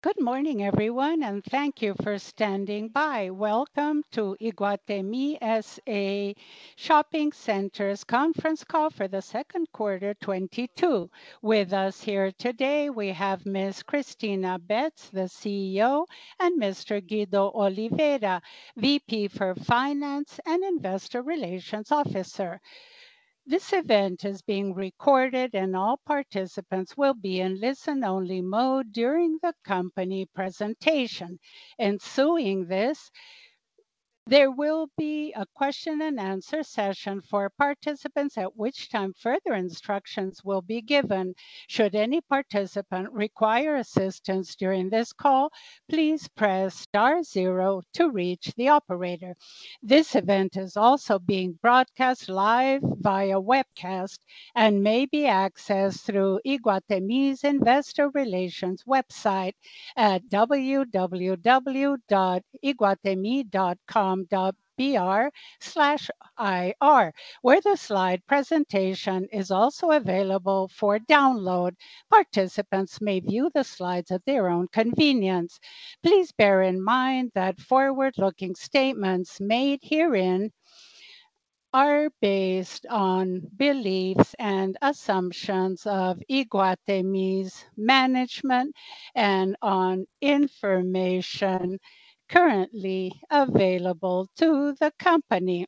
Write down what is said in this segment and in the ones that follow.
Good morning everyone, and thank you for standing by. Welcome to Iguatemi SA Shopping Centers Conference Call for the Second Quarter 2022. With us here today we have Ms. Cristina Betts, the CEO, and Mr. Guido Oliveira, Chief Financial Officer and Investor Relations Officer. This event is being recorded and all participants will be in listen-only mode during the company presentation. Following this, there will be a question-and-answer session for participants, at which time further instructions will be given. Should any participant require assistance during this call, please press star zero to reach the operator. This event is also being broadcast live via webcast and may be accessed through Iguatemi's Investor Relations website at www.iguatemi.com.br/ir, where the slide presentation is also available for download. Participants may view the slides at their own convenience. Please bear in mind that forward-looking statements made herein are based on beliefs and assumptions of Iguatemi's management and on information currently available to the company.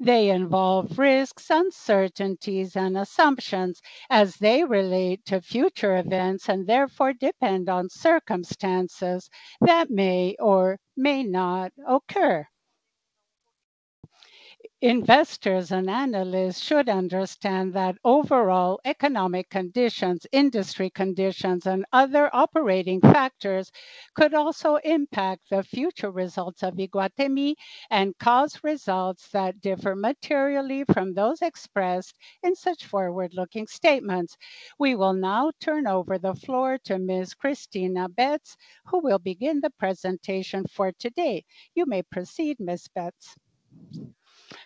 They involve risks, uncertainties and assumptions as they relate to future events and therefore depend on circumstances that may or may not occur. Investors and analysts should understand that overall economic conditions, industry conditions, and other operating factors could also impact the future results of Iguatemi and cause results that differ materially from those expressed in such forward-looking statements. We will now turn over the floor to Ms. Cristina Betts, who will begin the presentation for today. You may proceed, Ms. Cristina Betts.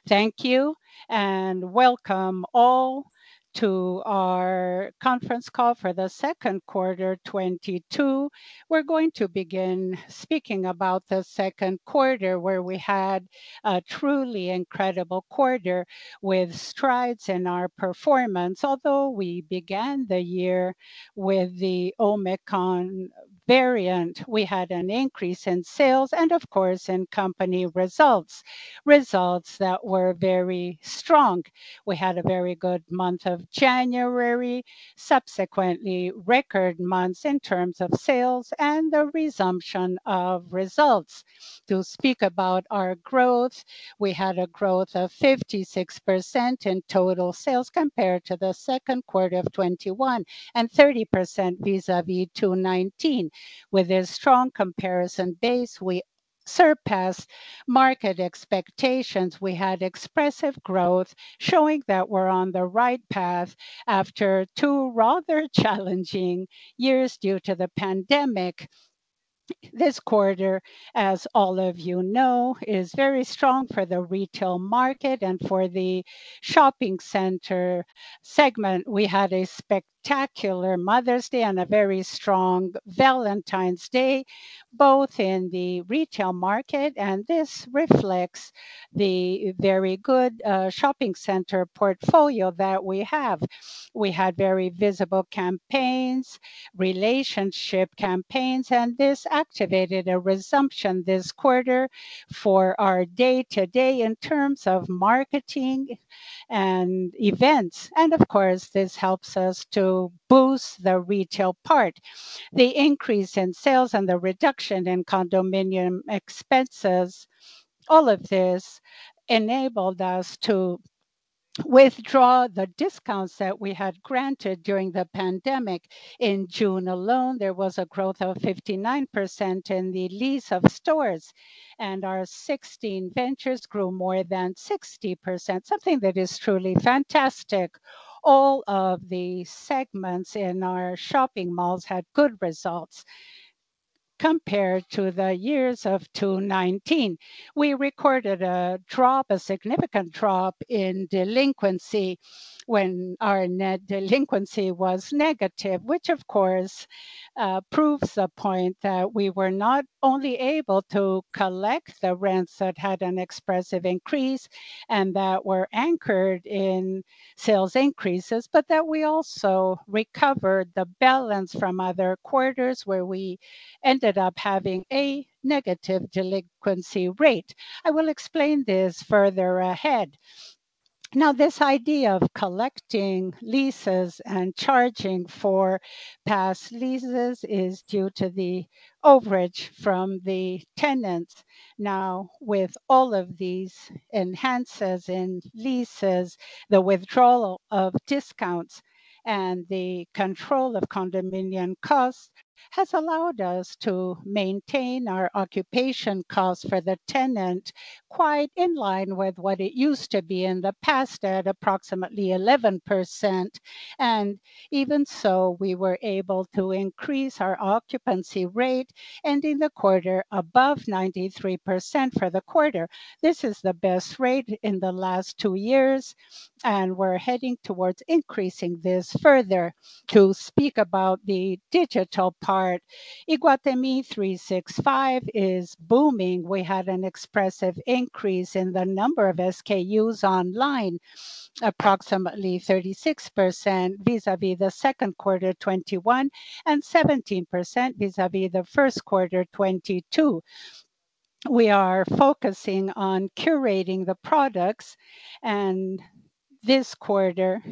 Thank you, and welcome all to our Conference Call for the Second Quarter 2022. We're going to begin speaking about the second quarter, where we had a truly incredible quarter with strides in our performance. Although we began the year with the Omicron variant, we had an increase in sales and of course, in company results that were very strong. We had a very good month of January, subsequently record months in terms of sales and the resumption of results. To speak about our growth, we had a growth of 56% in total sales compared to the second quarter of 2021, and 30% vis-a-vis 2019. With a strong comparison base, we surpassed market expectations. We had expressive growth showing that we're on the right path after two rather challenging years due to the pandemic. This quarter, as all of you know, is very strong for the retail market and for the shopping center segment. We had a spectacular Mother's Day and a very strong Valentine's Day, both in the retail market. This reflects the very good shopping center portfolio that we have. We had very visible campaigns, relationship campaigns, and this activated a resumption this quarter for our day-to-day in terms of marketing and events. Of course, this helps us to boost the retail part. The increase in sales and the reduction in condominium expenses, all of this enabled us to withdraw the discounts that we had granted during the pandemic. In June alone, there was a growth of 59% in the lease of stores, and our 16 ventures grew more than 60%, something that is truly fantastic. All of the segments in our shopping malls had good results compared to the years of 2019. We recorded a drop, a significant drop in delinquency when our net delinquency was negative, which of course proves a point that we were not only able to collect the rents that had an expressive increase and that were anchored in sales increases, but that we also recovered the balance from other quarters where we ended up having a negative delinquency rate. I will explain this further ahead. Now, this idea of collecting leases and charging for past leases is due to the overage from the tenants. Now, with all of these enhancements in leases, the withdrawal of discounts and the control of condominium costs has allowed us to maintain our occupation costs for the tenant quite in line with what it used to be in the past at approximately 11%. Even so, we were able to increase our occupancy rate, ending the quarter above 93% for the quarter. This is the best rate in the last two years, and we're heading towards increasing this further. To speak about the digital part, Iguatemi 365 is booming. We had an expressive increase in the number of SKUs online, approximately 36% vis-a-vis the second quarter 2021, and 17% vis-a-vis the first quarter 2022. We are focusing on curating the products. This quarter,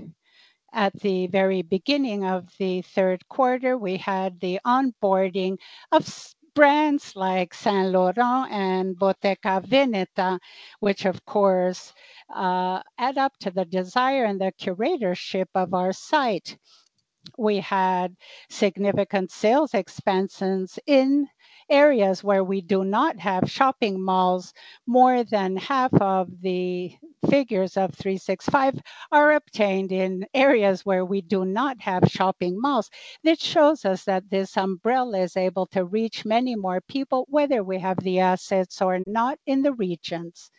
at the very beginning of the third quarter, we had the onboarding of brands like Saint Laurent and Bottega Veneta, which of course add up to the desire and the curatorship of our site. We had significant sales expansions in areas where we do not have shopping malls. More than half of the figures of 365 are obtained in areas where we do not have shopping malls. This shows us that this umbrella is able to reach many more people, whether we have the assets or not in the regions.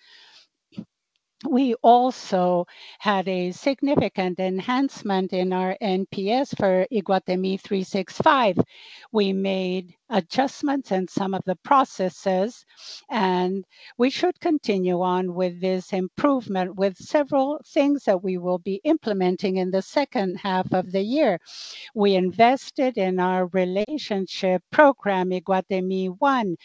We also had a significant enhancement in our NPS for Iguatemi 365. We made adjustments in some of the processes, and we should continue on with this improvement with several things that we will be implementing in the second half of the year. We invested in our relationship program, Iguatemi ONE,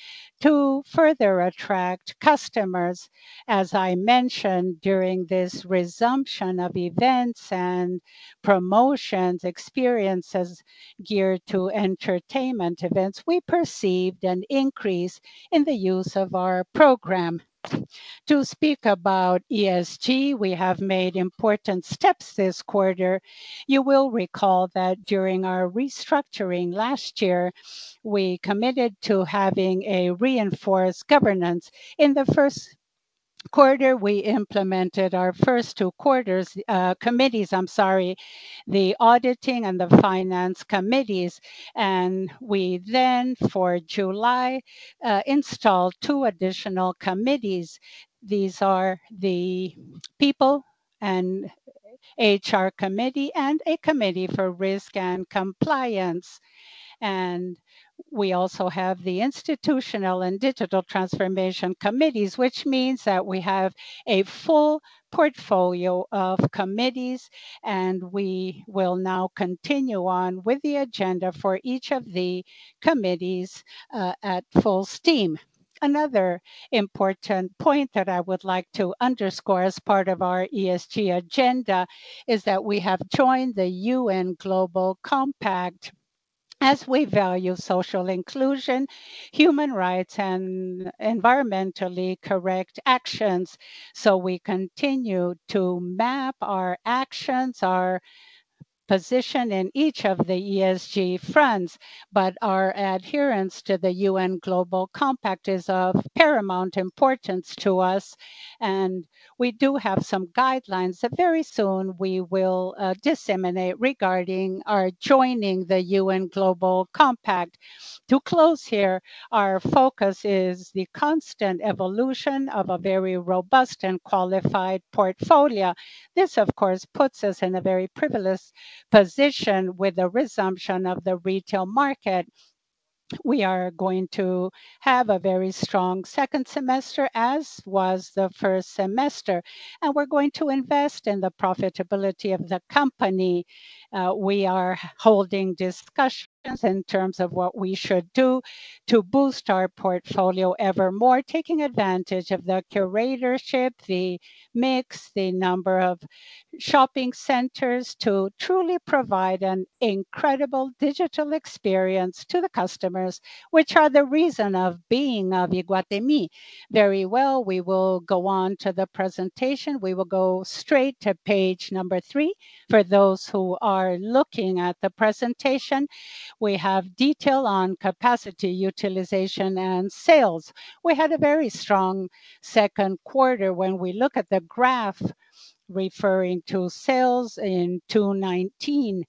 to further attract customers. As I mentioned, during this resumption of events and promotions, experiences geared to entertainment events, we perceived an increase in the use of our program. To speak about ESG, we have made important steps this quarter. You will recall that during our restructuring last year, we committed to having a reinforced governance. In the first quarter, we implemented our first two committees, I'm sorry, the auditing and the finance committees. We then, for July, installed two additional committees. These are the people and HR committee and a committee for risk and compliance. We also have the institutional and digital transformation committees, which means that we have a full portfolio of committees, and we will now continue on with the agenda for each of the committees at full steam. Another important point that I would like to underscore as part of our ESG agenda is that we have joined the UN Global Compact as we value social inclusion, human rights, and environmentally correct actions. We continue to map our actions, our position in each of the ESG fronts. Our adherence to the UN Global Compact is of paramount importance to us, and we do have some guidelines that very soon we will disseminate regarding our joining the UN Global Compact. To close here, our focus is the constant evolution of a very robust and qualified portfolio. This, of course, puts us in a very privileged position with the resumption of the retail market. We are going to have a very strong second semester, as was the first semester, and we're going to invest in the profitability of the company. We are holding discussions in terms of what we should do to boost our portfolio ever more, taking advantage of the curatorship, the mix, the number of shopping centers to truly provide an incredible digital experience to the customers, which are the reason of being of Iguatemi. Very well. We will go on to the presentation. We will go straight to page number three for those who are looking at the presentation. We have detail on capacity utilization and sales. We had a very strong second quarter when we look at the graph referring to sales in 2019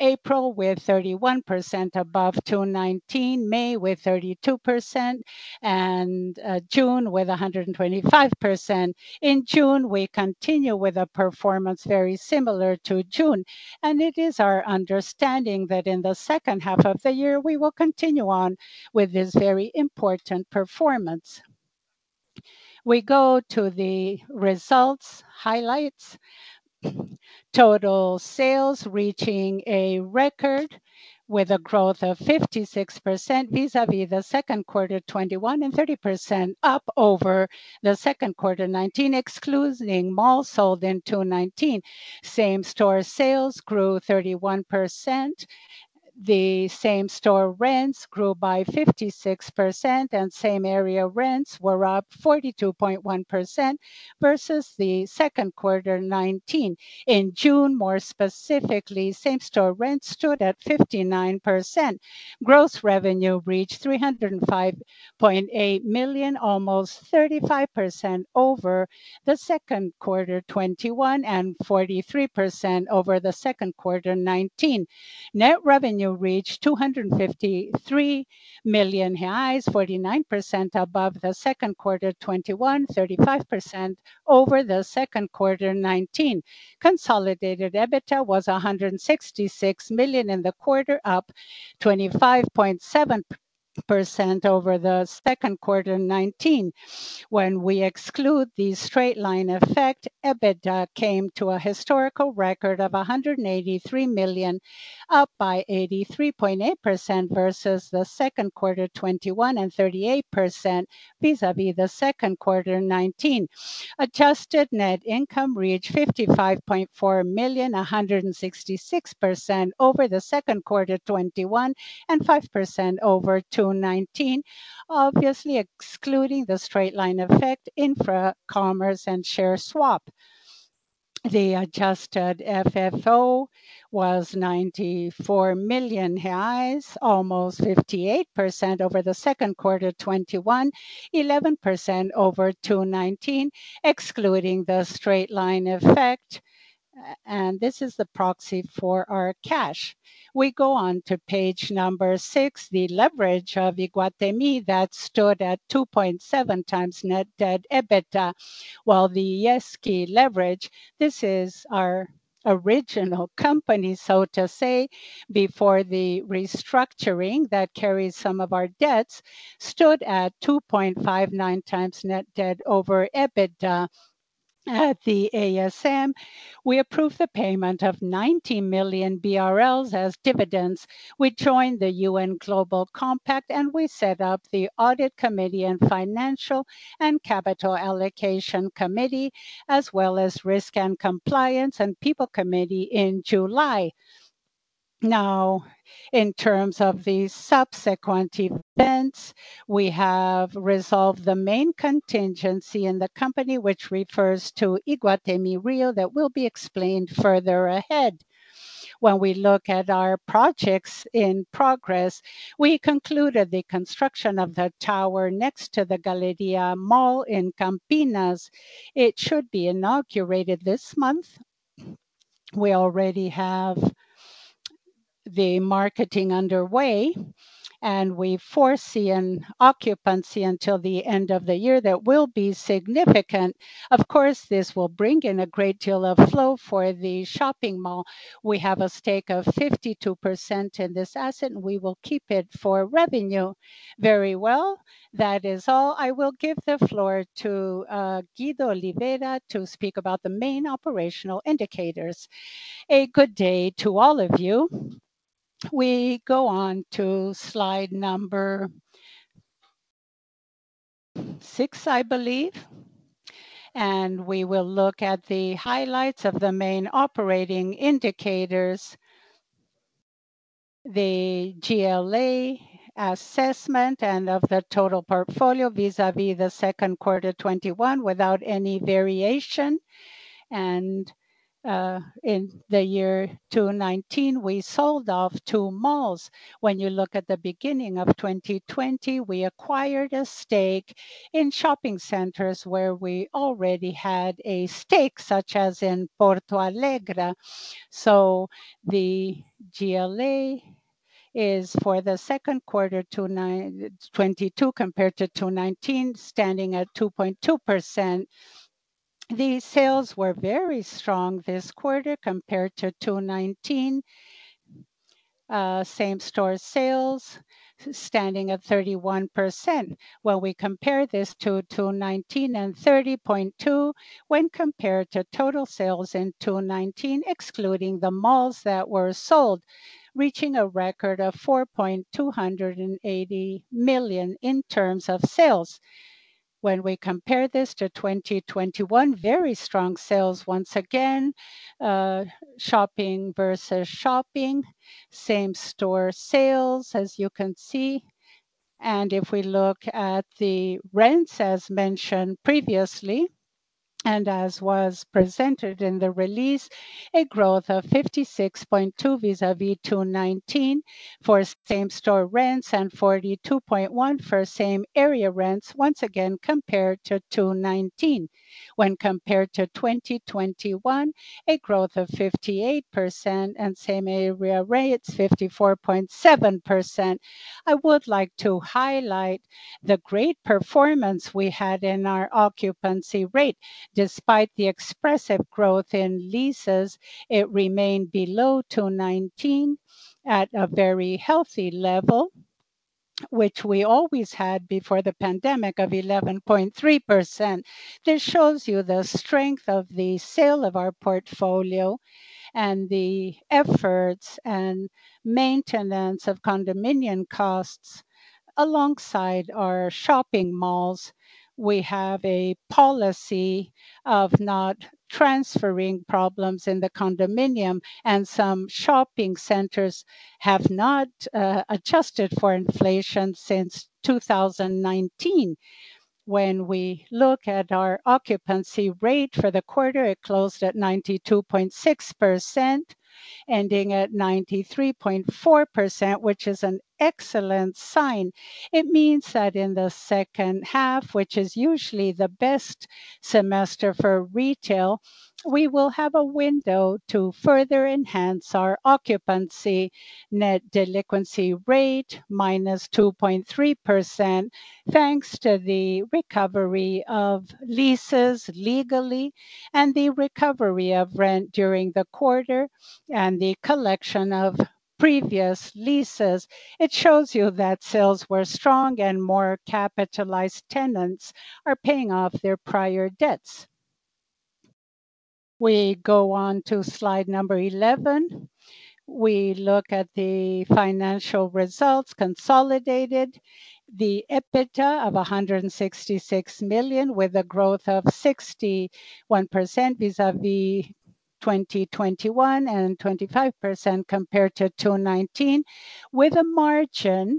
April with 31% above 2019 May with 32% and June with 125%. In June, we continue with a performance very similar to June. It is our understanding that in the second half of the year, we will continue on with this very important performance. We go to the results highlights. Total sales reaching a record with a growth of 56% vis-a-vis the second quarter 2021 and 30% up over the second quarter 2019, excluding malls sold in 2019. Same-store sales grew 31%. Same-store rents grew by 56%, and same-area rents were up 42.1% versus the second quarter 2019. In June, more specifically, same-store rents stood at 59%. Gross revenue reached 305.8 million, almost 35% over the second quarter 2021 and 43% over the second quarter 2019. Net revenue reached 253 million reais, 49% above the second quarter 2021, 35% over the second quarter 2019. Consolidated EBITDA was 166 million in the quarter, up 25.7% over the second quarter 2019. When we exclude the straight-line effect, EBITDA came to a historical record of 183 million, up by 83.8% versus the second quarter 2021 and 38% vis-a-vis the second quarter 2019. Adjusted net income reached 55.4 million, 166% over Q2 2021 and 5% over 2019, obviously excluding the straight-line effect, Infracommerce, and share swap. The adjusted FFO was 94 million reais, almost 58% over Q2 2021, 11% over 2019, excluding the straight-line effect. This is the proxy for our cash. We go on to page 6, the leverage of Iguatemi that stood at 2.7x net debt EBITDA, while the IESC leverage, this is our original company, so to say, before the restructuring that carries some of our debts, stood at 2.59x net debt over EBITDA. At the AGM, we approved the payment of 90 million BRL as dividends. We joined the UN Global Compact, and we set up the Audit Committee and Financial and Capital Allocation Committee, as well as Risk and Compliance and People Committee in July. Now, in terms of the subsequent events, we have resolved the main contingency in the company, which refers to Iguatemi Rio that will be explained further ahead. When we look at our projects in progress, we concluded the construction of the tower next to the Galleria Shopping in Campinas. It should be inaugurated this month. We already have the marketing underway, and we foresee an occupancy until the end of the year that will be significant. Of course, this will bring in a great deal of flow for the shopping mall. We have a stake of 52% in this asset, and we will keep it for revenue. Very well. That is all. I will give the floor to Guido Oliveira to speak about the main operational indicators. Good day to all of you. We go on to slide number six, I believe. We will look at the highlights of the main operating indicators, the GLA assessment and of the total portfolio vis-a-vis the second quarter 2021 without any variation. In the year 2019, we sold off two malls. When you look at the beginning of 2020, we acquired a stake in shopping centers where we already had a stake, such as in Porto Alegre. The GLA is for the second quarter 2022 compared to 2019, standing at 2.2%. The sales were very strong this quarter compared to 2019. Same-store sales standing at 31%. When we compare this to 2019 and 30.2% when compared to total sales in 2019, excluding the malls that were sold, reaching a record of 402.8 million in terms of sales. When we compare this to 2021, very strong sales once again, shopping versus shopping, same-store sales, as you can see. If we look at the rents, as mentioned previously and as was presented in the release, a growth of 56.2% vis-a-vis 2019 for same-store rents and 42.1% for same-area rents, once again compared to 2019. When compared to 2021, a growth of 58% and same area rates, 54.7%. I would like to highlight the great performance we had in our occupancy rate. Despite the expressive growth in leases, it remained below 2.19% at a very healthy level, which we always had before the pandemic of 11.3%. This shows you the strength of the sale of our portfolio and the efforts and maintenance of condominium costs. Alongside our shopping malls, we have a policy of not transferring problems in the condominium, and some shopping centers have not adjusted for inflation since 2019. When we look at our occupancy rate for the quarter, it closed at 92.6%, ending at 93.4%, which is an excellent sign. It means that in the second half, which is usually the best semester for retail, we will have a window to further enhance our occupancy net delinquency rate -2.3%, thanks to the recovery of leases legally and the recovery of rent during the quarter and the collection of previous leases. It shows you that sales were strong and more capitalized tenants are paying off their prior debts. We go on to slide number 11. We look at the financial results consolidated, the EBITDA of 166 million, with a growth of 61% vis-à-vis 2021 and 25% compared to 2019, with a margin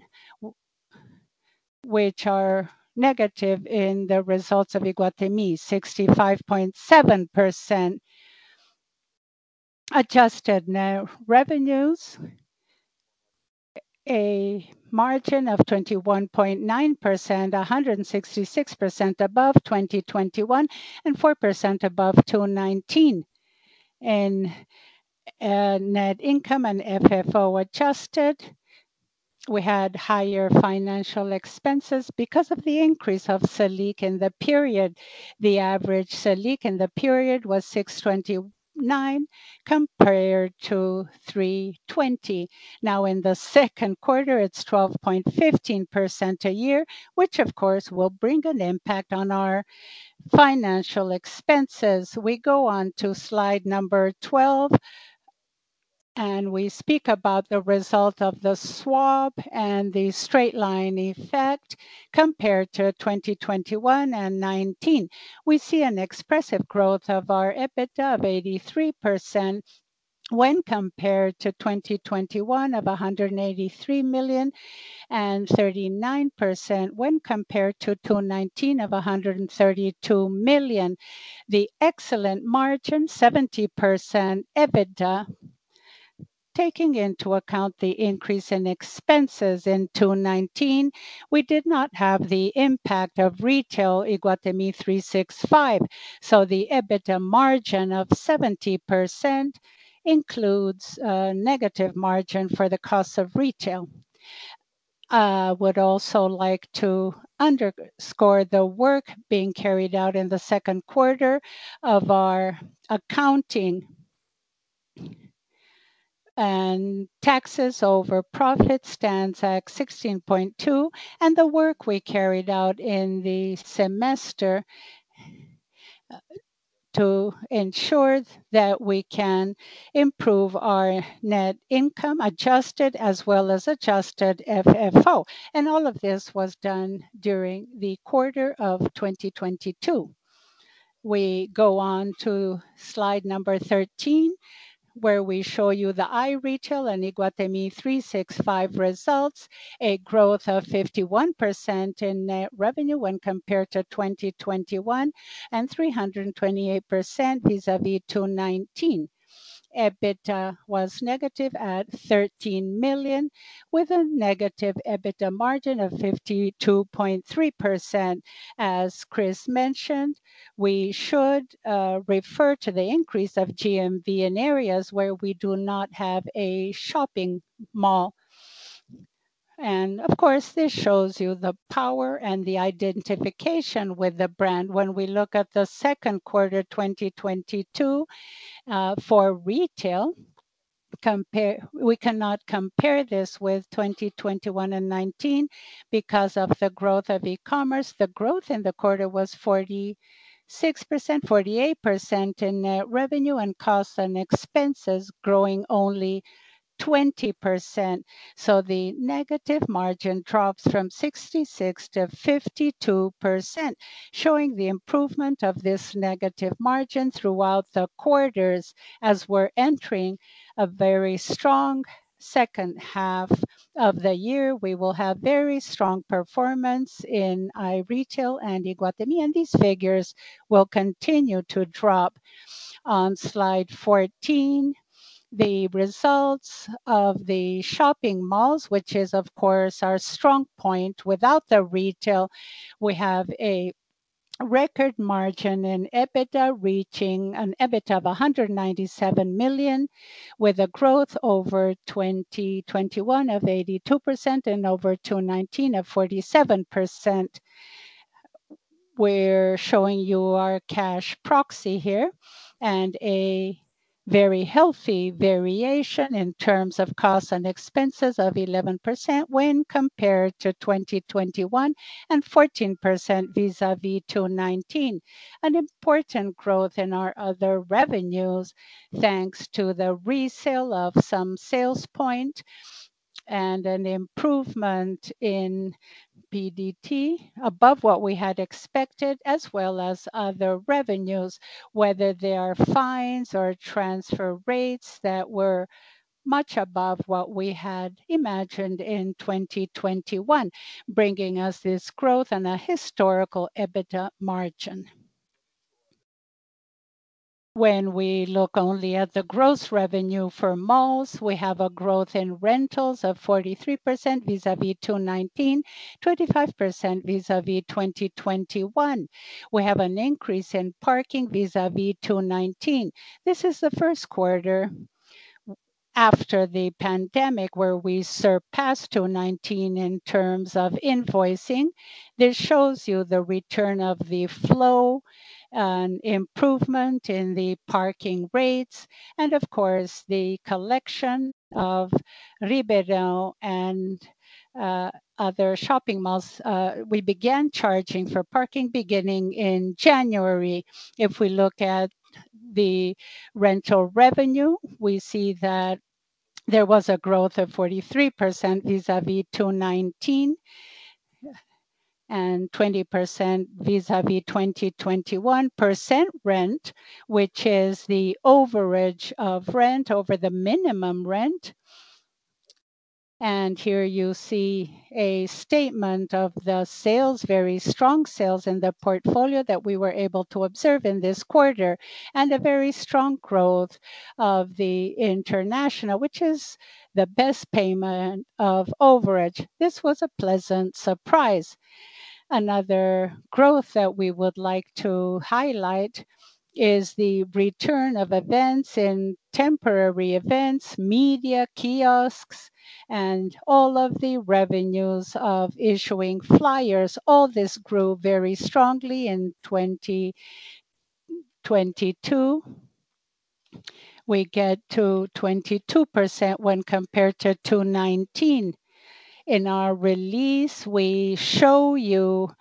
which are negative in the results of Iguatemi, 65.7%. Adjusted net revenues, a margin of 21.9%, 166% above 2021 and 4% above 2019. Net income and FFO adjusted. We had higher financial expenses because of the increase of Selic in the period. The average Selic in the period was 6.29% compared to 3.20%. Now, in the second quarter, it's 12.15% a year, which of course, will bring an impact on our financial expenses. We go on to slide 12, and we speak about the result of the swap and the straight line effect compared to 2021 and 2019. We see an expressive growth of our EBITDA of 83% when compared to 2021 of 183 million and 39% when compared to 2019 of 132 million. The excellent margin, 70% EBITDA. Taking into account the increase in expenses in 2019, we did not have the impact of i-Retail Iguatemi 365. The EBITDA margin of 70% includes a negative margin for the cost of retail. I would also like to underscore the work being carried out in the second quarter of our accounting. Taxes over profit stands at 16.2, and the work we carried out in the semester, to ensure that we can improve our net income adjusted as well as adjusted FFO. All of this was done during the quarter of 2022. We go on to slide number 13, where we show you the i-Retail and Iguatemi 365 results, a growth of 51% in net revenue when compared to 2021 and 328% vis-à-vis 2019. EBITDA was negative at 13 million, with a negative EBITDA margin of 52.3%. As Chris mentioned, we should refer to the increase of GMV in areas where we do not have a shopping mall. Of course, this shows you the power and the identification with the brand. When we look at the second quarter, 2022, for retail, we cannot compare this with 2021 and 2019 because of the growth of e-commerce. The growth in the quarter was 46%, 48% in net revenue and costs and expenses growing only 20%. The negative margin drops from 66%-52%, showing the improvement of this negative margin throughout the quarters. As we're entering a very strong second half of the year, we will have very strong performance in i-Retail and Iguatemi, and these figures will continue to drop. On slide 14, the results of the shopping malls, which is of course our strong point. Without the retail, we have a record margin in EBITDA, reaching an EBITDA of 197 million, with a growth over 2021 of 82% and over 2019 of 47%. We're showing you our cash proxy here and a very healthy variation in terms of costs and expenses of 11% when compared to 2021 and 14% vis-à-vis 2019. An important growth in our other revenues, thanks to the resale of some sales point and an improvement in PDT above what we had expected, as well as other revenues, whether they are fines or transfer rates that were much above what we had imagined in 2021, bringing us this growth and a historical EBITDA margin. When we look only at the gross revenue for malls, we have a growth in rentals of 43% vis-à-vis 2019, 25% vis-à-vis 2021. We have an increase in parking vis-à-vis 2019. This is the first quarter after the pandemic where we surpassed 2019 in terms of invoicing. This shows you the return of the flow and improvement in the parking rates, and of course, the collection of Ribeirão and other shopping malls. We began charging for parking beginning in January. If we look at the rental revenue, we see that there was a growth of 43% vis-à-vis 2019, and 20% vis-à-vis 2021 percent rent, which is the overage of rent over the minimum rent. Here you see a statement of the sales, very strong sales in the portfolio that we were able to observe in this quarter, and a very strong growth of the international, which is the best payment of overage. This was a pleasant surprise. Another growth that we would like to highlight is the return of events in temporary events, media kiosks, and all of the revenues of issuing flyers. All this grew very strongly in 2022. We get to 22% when compared to 2019. In our release, we show you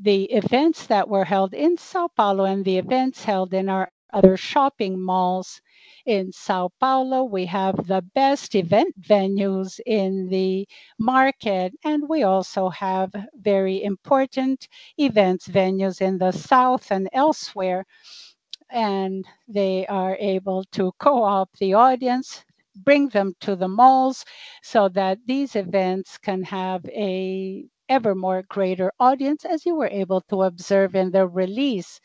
the events that were held in São Paulo and the events held in our other shopping malls in São Paulo. We have the best event venues in the market, and we also have very important events venues in the south and elsewhere, and they are able to co-opt the audience, bring them to the malls so that these events can have a ever more greater audience as you were able to observe in the release.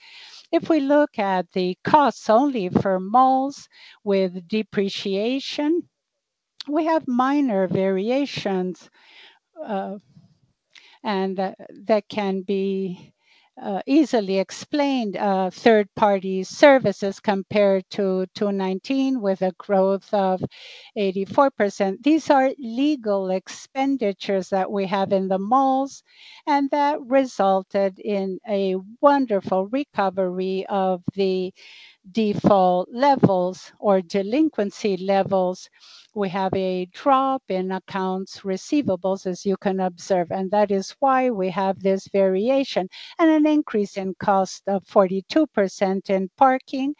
If we look at the costs only for malls with depreciation, we have minor variations, and that can be easily explained. Third-party services compared to 2019 with a growth of 84%. These are legal expenditures that we have in the malls, and that resulted in a wonderful recovery of the default levels or delinquency levels. We have a drop in accounts receivables, as you can observe, and that is why we have this variation. An increase in cost of 42% in parking,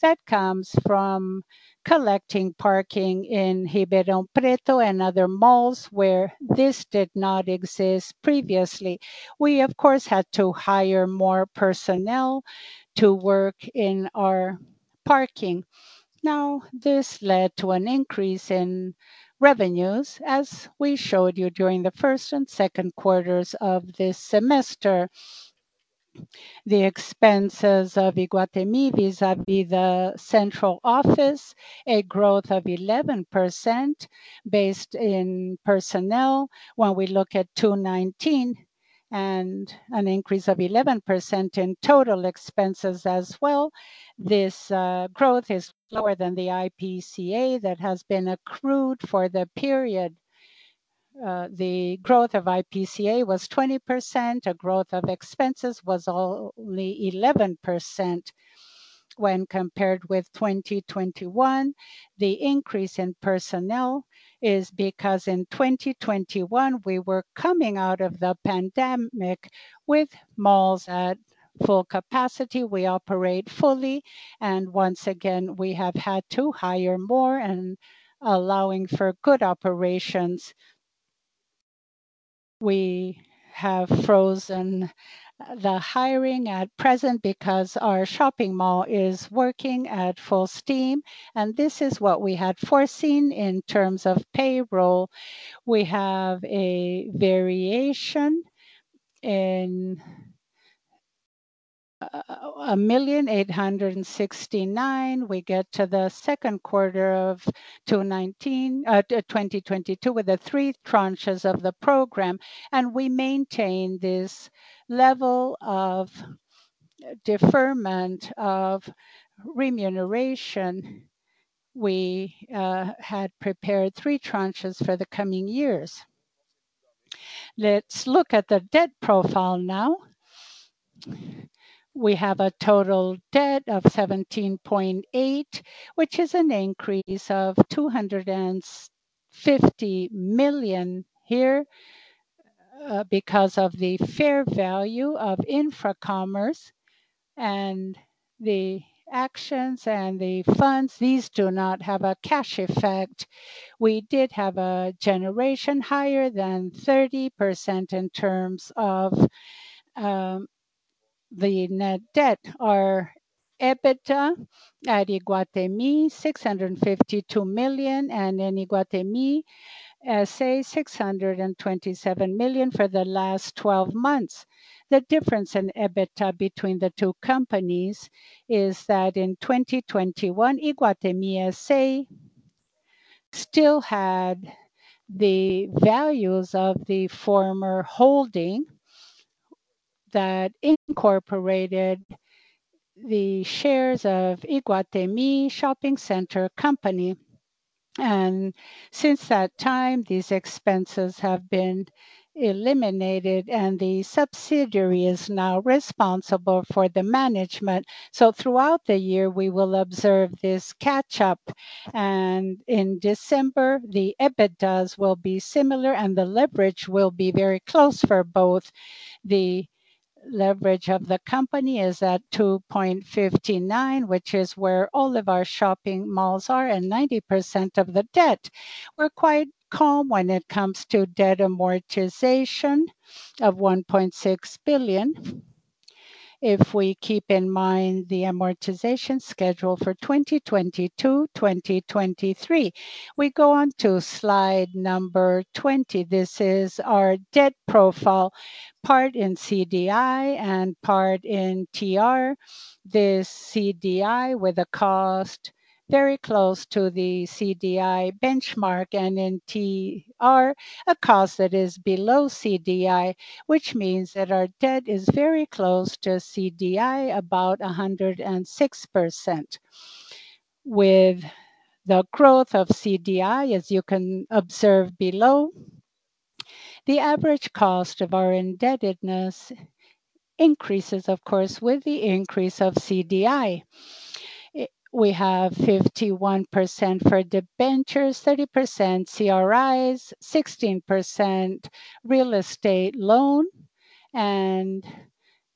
that comes from collecting parking in Ribeirão Preto and other malls where this did not exist previously. We of course, had to hire more personnel to work in our parking. Now, this led to an increase in revenues, as we showed you during the first and second quarters of this semester. The expenses of Iguatemi, vis-à-vis the central office, a growth of 11% based in personnel when we look at 2019 and an increase of 11% in total expenses as well. This growth is lower than the IPCA that has been accrued for the period. The growth of IPCA was 20%. A growth of expenses was only 11% when compared with 2021. The increase in personnel is because in 2021, we were coming out of the pandemic with malls at full capacity. We operate fully, and once again, we have had to hire more and allowing for good operations. We have frozen the hiring at present because our shopping mall is working at full steam, and this is what we had foreseen in terms of payroll. We have a variation in 1.869 million. We get to the second quarter of 2022 with the three tranches of the program, and we maintain this level of deferment of remuneration. We had prepared three tranches for the coming years. Let's look at the debt profile now. We have a total debt of 17.8 billion, which is an increase of 250 million here, because of the fair value of Infracommerce and the acquisitions and the funds. These do not have a cash effect. We did have a generation higher than 30% in terms of the net debt. Our EBITDA at Iguatemi, 652 million, and in Iguatemi S.A., 627 million for the last twelve months. The difference in EBITDA between the two companies is that in 2021, Iguatemi S.A. still had the values of the former holding that incorporated the shares of Iguatemi Empresa de Shopping Centers S.A. Since that time, these expenses have been eliminated, and the subsidiary is now responsible for the management. Throughout the year, we will observe this catch up. In December, the EBITDAs will be similar, and the leverage will be very close for both. The leverage of the company is at 2.59, which is where all of our shopping malls are and 90% of the debt. We're quite calm when it comes to debt amortization of 1.6 billion. If we keep in mind the amortization schedule for 2022, 2023. We go on to slide number 20. This is our debt profile, part in CDI and part in TR. This CDI with a cost very close to the CDI benchmark and in TR, a cost that is below CDI, which means that our debt is very close to CDI, about 106%. With the growth of CDI, as you can observe below, the average cost of our indebtedness increases, of course, with the increase of CDI. We have 51% for debentures, 30% CRIs, 16% real estate loan, and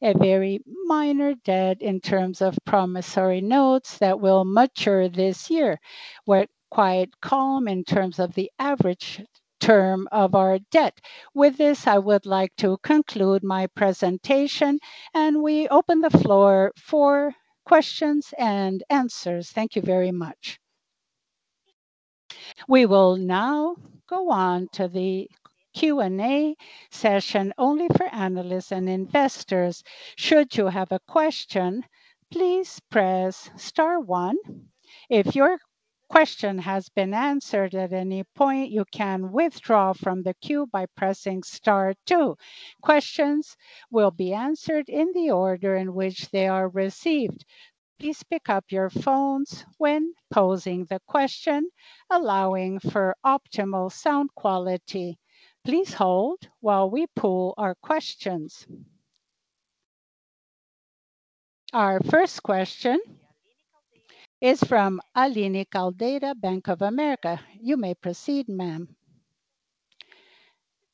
a very minor debt in terms of promissory notes that will mature this year. We're quite calm in terms of the average term of our debt. With this, I would like to conclude my presentation, and we open the floor for questions and answers. Thank you very much. We will now go on to the Q&A session only for analysts and investors. Should you have a question, please press star one. If your question has been answered at any point, you can withdraw from the queue by pressing star two. Questions will be answered in the order in which they are received. Please pick up your phones when posing the question, allowing for optimal sound quality. Please hold while we pull our questions. Our first question is from Aline Caldeira, Bank of America. You may proceed, ma'am.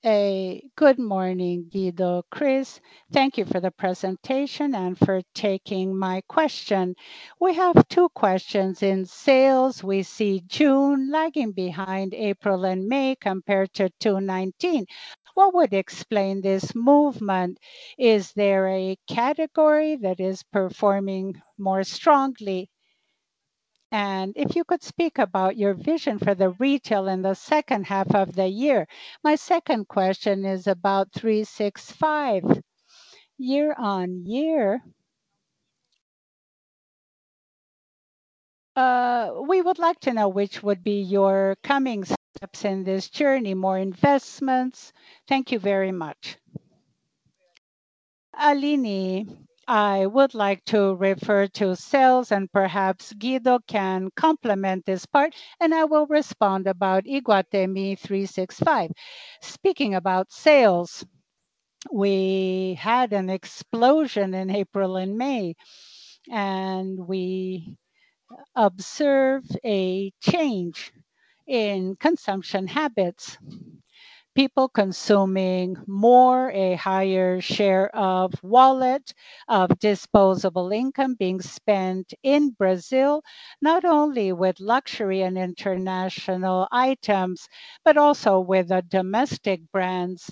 Good morning, Guido, Cristina. Thank you for the presentation and for taking my question. We have two questions. In sales, we see June lagging behind April and May compared to 2019. What would explain this movement? Is there a category that is performing more strongly? And if you could speak about your vision for the retail in the second half of the year. My second question is about Iguatemi 365 year-on-year. We would like to know which would be your coming steps in this journey. More investments. Thank you very much. Aline, I would like to refer to sales, and perhaps Guido can complement this part, and I will respond about Iguatemi 365. Speaking about sales, we had an explosion in April and May, and we observed a change in consumption habits. People consuming more, a higher share of wallet of disposable income being spent in Brazil, not only with luxury and international items, but also with the domestic brands.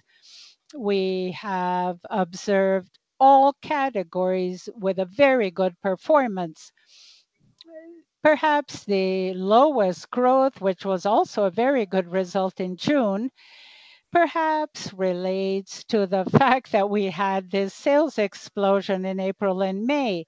We have observed all categories with a very good performance. Perhaps the lowest growth, which was also a very good result in June, perhaps relates to the fact that we had this sales explosion in April and May.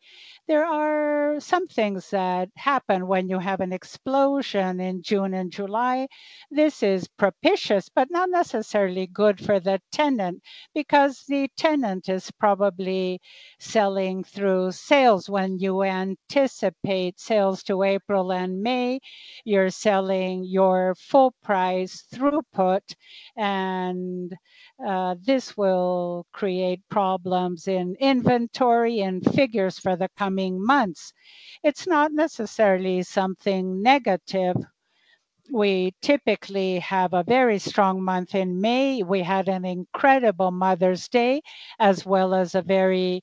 There are some things that happen when you have an explosion in June and July. This is propitious, but not necessarily good for the tenant because the tenant is probably selling through sales. When you anticipate sales to April and May, you're selling your full price throughput, and this will create problems in inventory and figures for the coming months. It's not necessarily something negative. We typically have a very strong month in May. We had an incredible Mother's Day as well as a very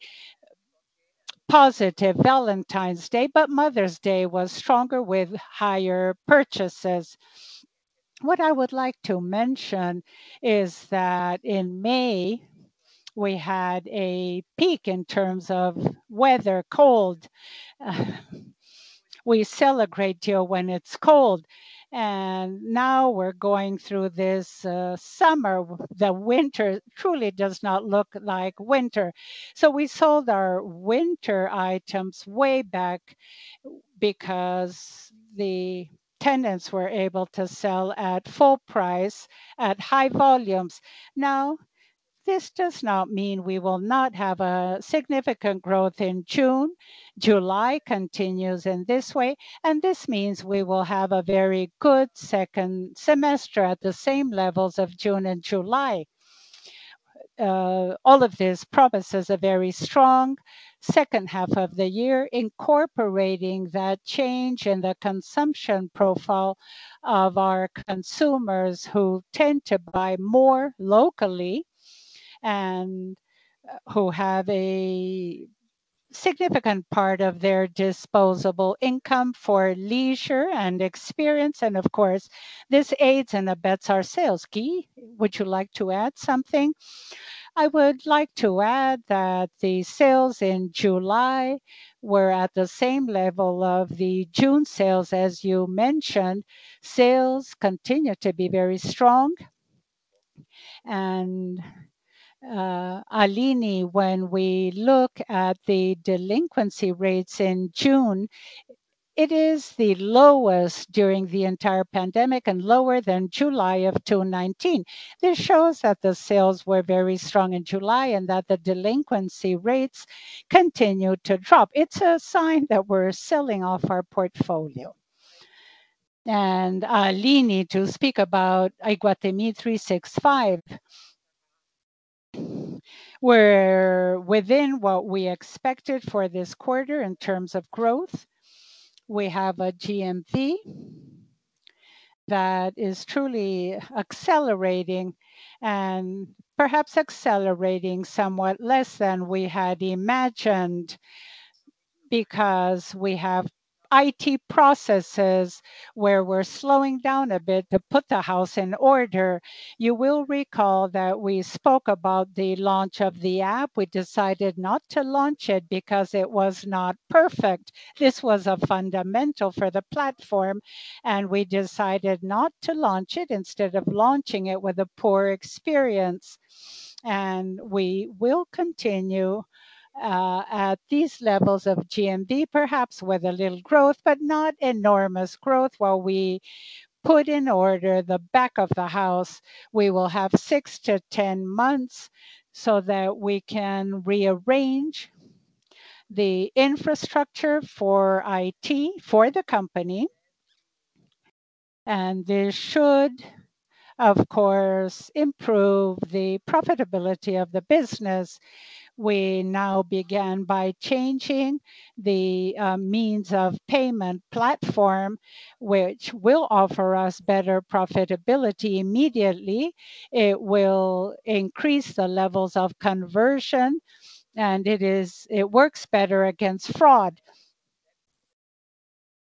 positive Valentine's Day, but Mother's Day was stronger with higher purchases. What I would like to mention is that in May, we had a peak in terms of weather, cold. We sell a great deal when it's cold, and now we're going through this summer. The winter truly does not look like winter. So we sold our winter items way back because the tenants were able to sell at full price at high volumes. Now, this does not mean we will not have a significant growth in June. July continues in this way, and this means we will have a very good second semester at the same levels of June and July. All of this promises a very strong second half of the year, incorporating that change in the consumption profile of our consumers who tend to buy more locally and who have a significant part of their disposable income for leisure and experience, and of course, this aids and abets our sales. Gui, would you like to add something? I would like to add that the sales in July were at the same level of the June sales, as you mentioned. Sales continue to be very strong. Aline, when we look at the delinquency rates in June, it is the lowest during the entire pandemic and lower than July of 2019. This shows that the sales were very strong in July and that the delinquency rates continue to drop. It's a sign that we're selling off our portfolio. Aline to speak about Iguatemi 365. We're within what we expected for this quarter in terms of growth. We have a GMV that is truly accelerating and perhaps accelerating somewhat less than we had imagined because we have IT processes where we're slowing down a bit to put the house in order. You will recall that we spoke about the launch of the app. We decided not to launch it because it was not perfect. This was a fundamental for the platform, and we decided not to launch it instead of launching it with a poor experience. We will continue at these levels of GMV, perhaps with a little growth, but not enormous growth while we put in order the back of the house. We will have 6-10 months so that we can rearrange the infrastructure for IT for the company. This should, of course, improve the profitability of the business. We now began by changing the means of payment platform, which will offer us better profitability immediately. It will increase the levels of conversion, and it works better against fraud.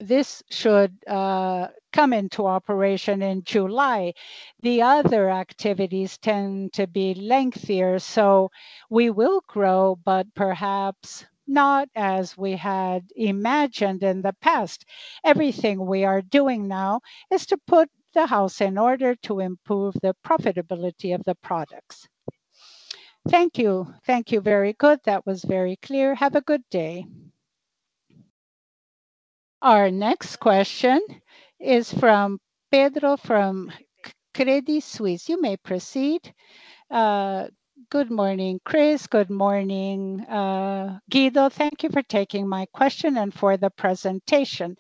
This should come into operation in July. The other activities tend to be lengthier, so we will grow, but perhaps not as we had imagined in the past. Everything we are doing now is to put the house in order to improve the profitability of the products. Thank you. Thank you. Very good. That was very clear. Have a good day. Our next question is from Pedro from Credit Suisse. You may proceed. Good morning, Chris. Good morning, Guido. Thank you for taking my question and for the presentation.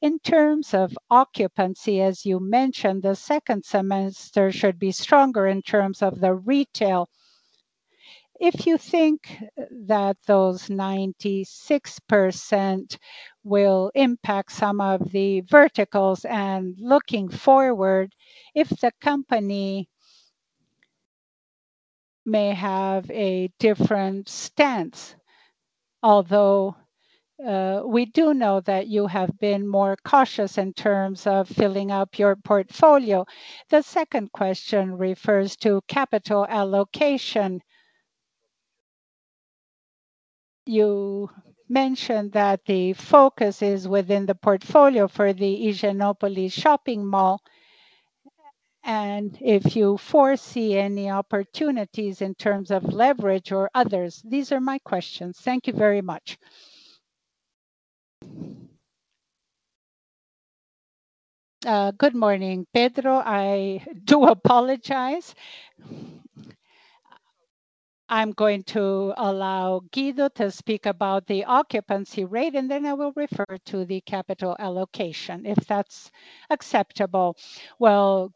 In terms of occupancy, as you mentioned, the second semester should be stronger in terms of the retail. If you think that those 96% will impact some of the verticals and looking forward, if the company may have a different stance, although, we do know that you have been more cautious in terms of filling up your portfolio. The second question refers to capital allocation. You mentioned that the focus is within the portfolio for Pátio Higienópolis, and if you foresee any opportunities in terms of leverage or others. These are my questions. Thank you very much. Good morning, Pedro. I do apologize. I'm going to allow Guido to speak about the occupancy rate, and then I will refer to the capital allocation, if that's acceptable. Well,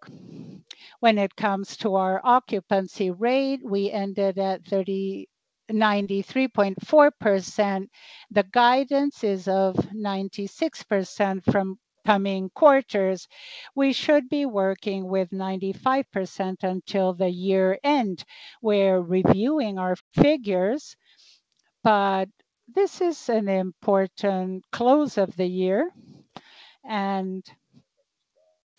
when it comes to our occupancy rate, we ended at 93.4%. The guidance is of 96% from coming quarters. We should be working with 95% until the year-end. We're reviewing our figures, but this is an important close of the year, and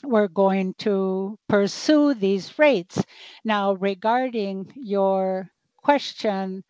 we're going to pursue these rates. Now, regarding your question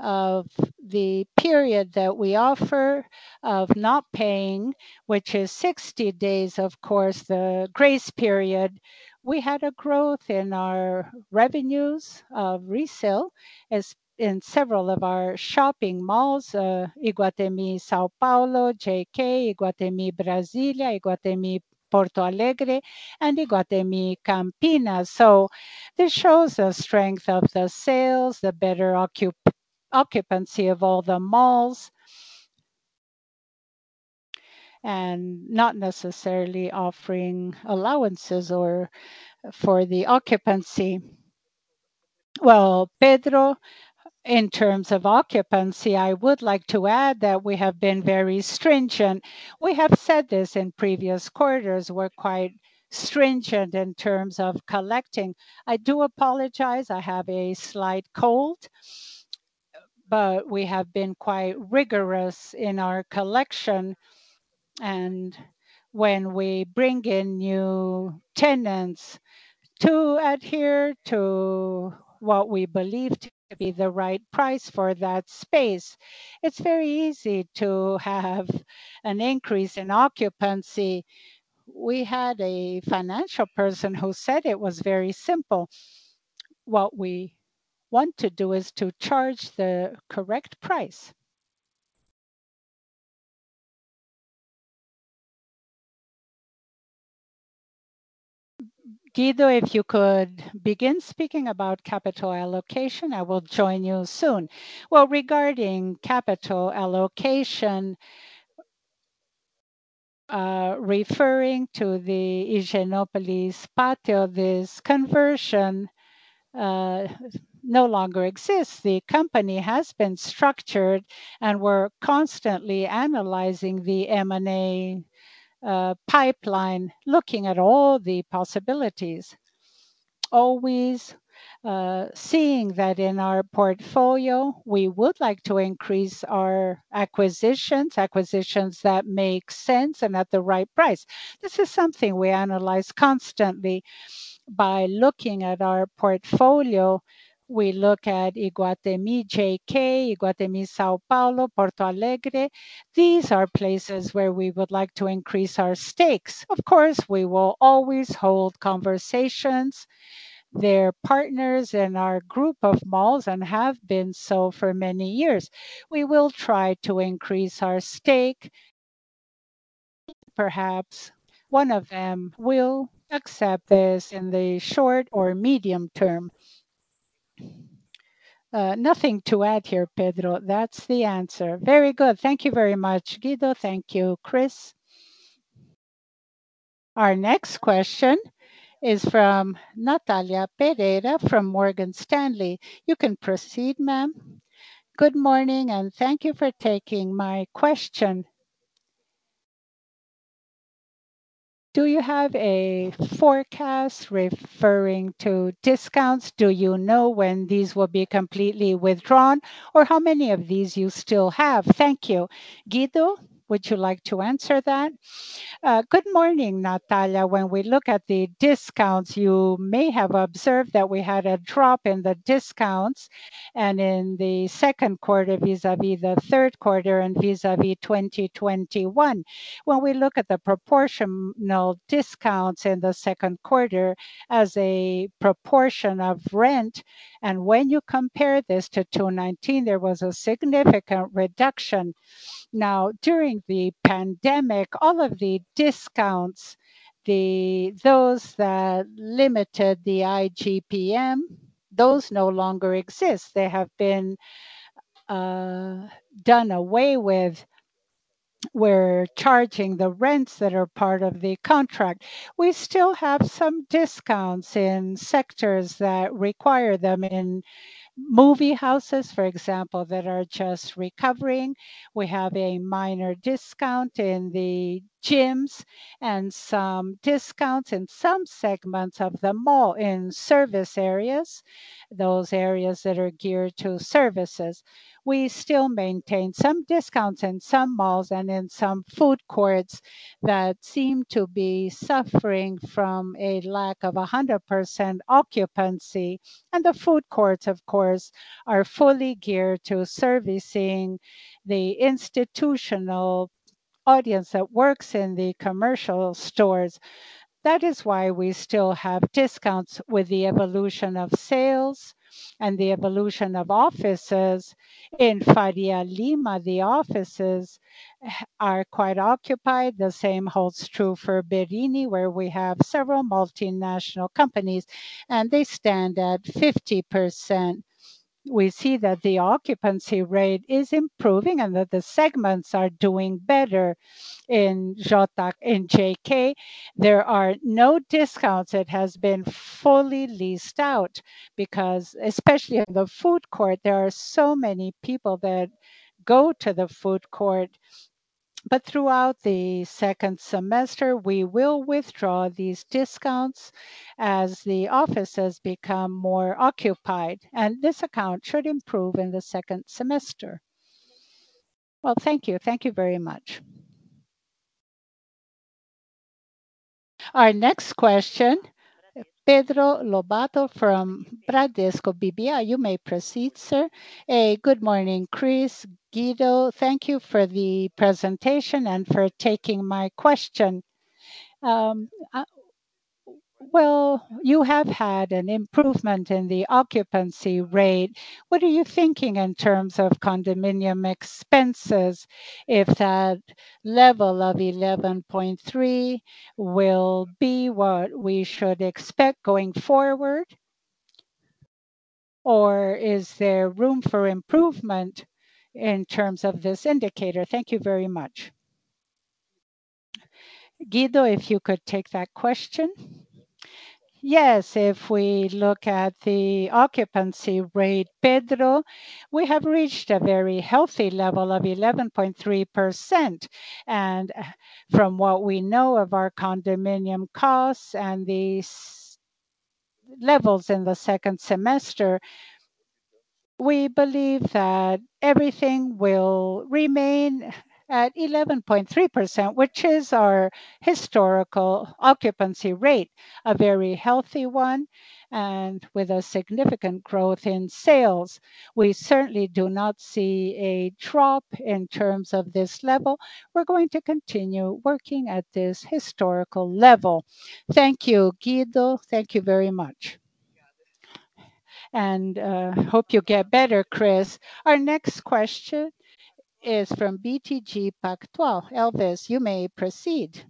of the period that we offer of not paying, which is 60 days, of course, the grace period, we had a growth in our revenues of resale as in several of our shopping malls, Iguatemi São Paulo, JK, Iguatemi Brasília, Iguatemi Porto Alegre, and Iguatemi Campinas. This shows the strength of the sales, the better occupancy of all the malls, and not necessarily offering allowances or for the occupancy. Well, Pedro, in terms of occupancy, I would like to add that we have been very stringent. We have said this in previous quarters. We're quite stringent in terms of collecting. I do apologize. I have a slight cold. We have been quite rigorous in our collection, and when we bring in new tenants to adhere to what we believe to be the right price for that space, it's very easy to have an increase in occupancy. We had a financial person who said it was very simple. What we want to do is to charge the correct price. Guido, if you could begin speaking about capital allocation, I will join you soon. Well, regarding capital allocation, referring to the Pátio Higienópolis, this conversion no longer exists. The company has been structured, and we're constantly analyzing the M&A pipeline, looking at all the possibilities. Always seeing that in our portfolio, we would like to increase our acquisitions that make sense and at the right price. This is something we analyze constantly by looking at our portfolio. We look at Iguatemi JK, Iguatemi São Paulo, Porto Alegre. These are places where we would like to increase our stakes. Of course, we will always hold conversations. They're partners in our group of malls and have been so for many years. We will try to increase our stake. Perhaps one of them will accept this in the short or medium term. Nothing to add here, Pedro. That's the answer. Very good. Thank you very much, Guido. Thank you, Chris. Our next question is from Natalia Pereira from Morgan Stanley. You can proceed, ma'am. Good morning, and thank you for taking my question. Do you have a forecast referring to discounts? Do you know when these will be completely withdrawn, or how many of these you still have? Thank you. Guido, would you like to answer that? Good morning, Natalia. When we look at the discounts, you may have observed that we had a drop in the discounts and in the second quarter vis-à-vis the third quarter and vis-à-vis 2021. When we look at the proportional discounts in the second quarter as a proportion of rent, and when you compare this to 2019, there was a significant reduction. Now, during the pandemic, all of the discounts, those that limited the IGPM, those no longer exist. They have been done away with. We're charging the rents that are part of the contract. We still have some discounts in sectors that require them. In movie houses, for example, that are just recovering. We have a minor discount in the gyms and some discounts in some segments of the mall in service areas, those areas that are geared to services. We still maintain some discounts in some malls and in some food courts that seem to be suffering from a lack of 100% occupancy. The food courts, of course, are fully geared to servicing the institutional audience that works in the commercial stores. That is why we still have discounts with the evolution of sales and the evolution of offices. In Faria Lima, the offices are quite occupied. The same holds true for Berrini, where we have several multinational companies, and they stand at 50%. We see that the occupancy rate is improving and that the segments are doing better. In JK, there are no discounts. It has been fully leased out because especially in the food court, there are so many people that go to the food court. Throughout the second semester, we will withdraw these discounts as the offices become more occupied. This account should improve in the second semester. Well, thank you. Thank you very much. Our next question, Pedro Lobato from Bradesco BBI. You may proceed, sir. Hey, good morning, Chris, Guido. Thank you for the presentation and for taking my question. Well, you have had an improvement in the occupancy rate. What are you thinking in terms of condominium expenses if that level of 11.3 will be what we should expect going forward? Or is there room for improvement in terms of this indicator? Thank you very much. Guido, if you could take that question. Yes. If we look at the occupancy rate, Pedro, we have reached a very healthy level of 11.3%. From what we know of our condominium costs and these levels in the second semester, we believe that everything will remain at 11.3%, which is our historical occupancy rate, a very healthy one. With a significant growth in sales, we certainly do not see a drop in terms of this level. We're going to continue working at this historical level. Thank you, Guido. Thank you very much. Hope you get better, Chris. Our next question is from BTG Pactual. Elvis, you may proceed.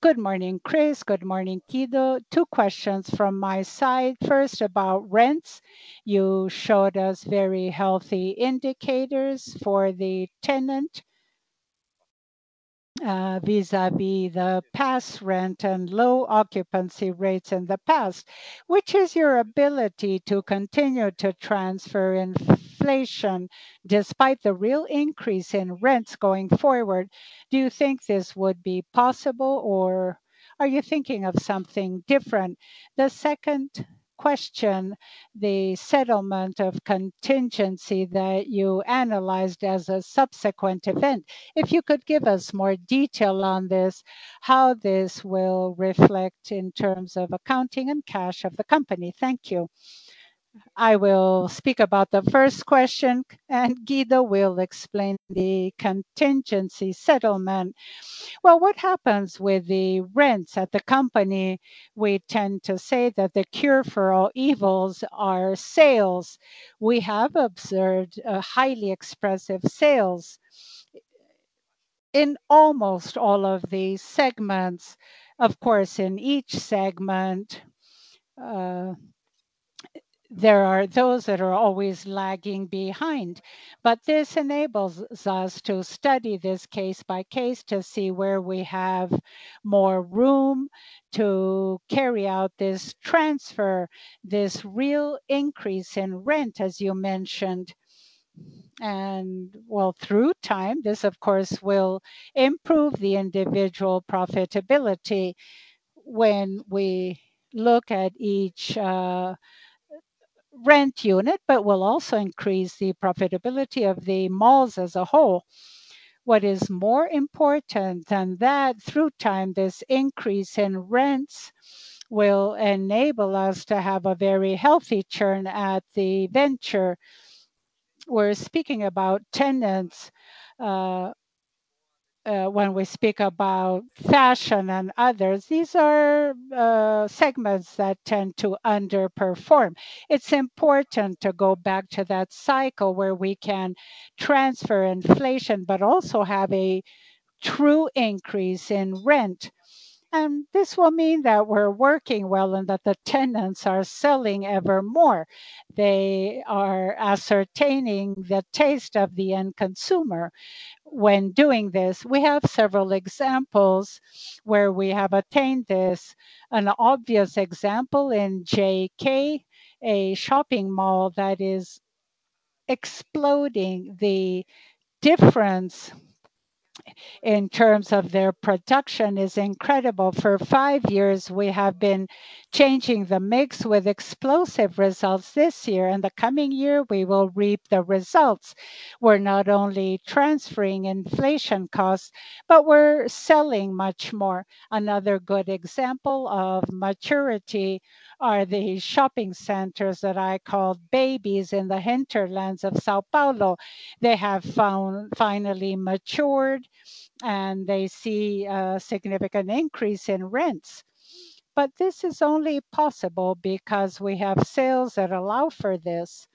Good morning, Chris. Good morning, Guido. Two questions from my side. First, about rents. You showed us very healthy indicators for the tenant vis-a-vis the past rent and low occupancy rates in the past, which is your ability to continue to transfer inflation despite the real increase in rents going forward. Do you think this would be possible, or are you thinking of something different? The second question, the settlement of contingency that you analyzed as a subsequent event. If you could give us more detail on this, how this will reflect in terms of accounting and cash of the company. Thank you. I will speak about the first question, and Guido will explain the contingency settlement. Well, what happens with the rents at the company, we tend to say that the cure for all evils are sales. We have observed a highly impressive sales in almost all of the segments. Of course, in each segment, there are those that are always lagging behind. But this enables us to study this case by case to see where we have more room to carry out this transfer, this real increase in rent, as you mentioned. Well, through time, this of course will improve the individual profitability when we look at each rent unit, but will also increase the profitability of the malls as a whole. What is more important than that, through time, this increase in rents will enable us to have a very healthy churn at the center. We're speaking about tenants when we speak about fashion and others, these are segments that tend to underperform. It's important to go back to that cycle where we can transfer inflation but also have a true increase in rent. This will mean that we're working well and that the tenants are selling evermore. They are anticipating the taste of the end consumer. When doing this, we have several examples where we have attained this. An obvious example in JK Iguatemi, a shopping mall that is exploding. The difference in terms of their production is incredible. For five years, we have been changing the mix with explosive results this year. In the coming year, we will reap the results. We're not only transferring inflation costs, but we're selling much more. Another good example of maturity are the shopping centers that I call babies in the hinterlands of São Paulo. They have finally matured, and they see a significant increase in rents. This is only possible because we have sales that allow for this.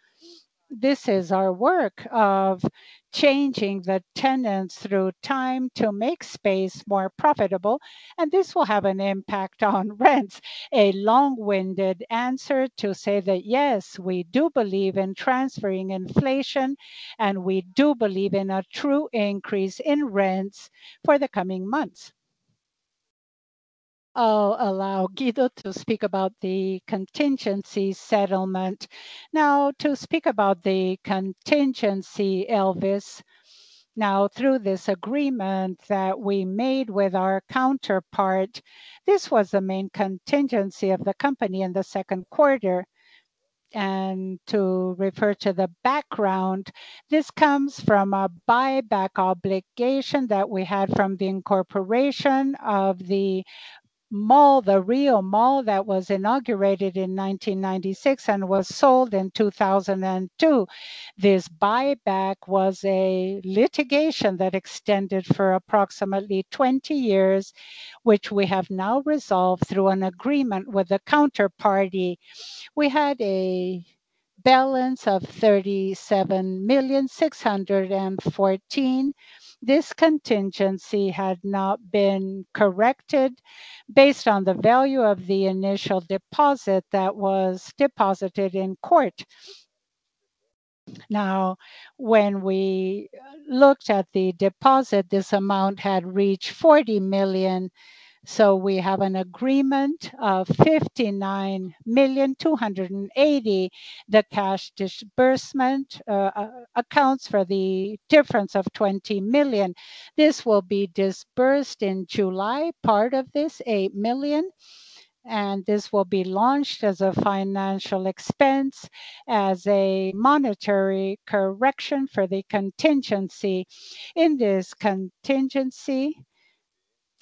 This is our work of changing the tenants through time to make space more profitable, and this will have an impact on rents. A long-winded answer to say that, yes, we do believe in transferring inflation, and we do believe in a true increase in rents for the coming months. I'll allow Guido to speak about the contingency settlement. To speak about the contingency, Elvis. Through this agreement that we made with our counterparty, this was the main contingency of the company in the second quarter. To refer to the background, this comes from a buyback obligation that we had from the incorporation of the mall, the RioMall that was inaugurated in 1996 and was sold in 2002. This buyback was a litigation that extended for approximately 20 years, which we have now resolved through an agreement with a counterparty. We had a balance of 37,000,614. This contingency had not been corrected based on the value of the initial deposit that was deposited in court. When we looked at the deposit, this amount had reached 40 million. We have an agreement of 59,000,280. The cash disbursement accounts for the difference of 20 million. This will be disbursed in July. Part of this, 8 million. This will be launched as a financial expense as a monetary correction for the contingency. In this contingency,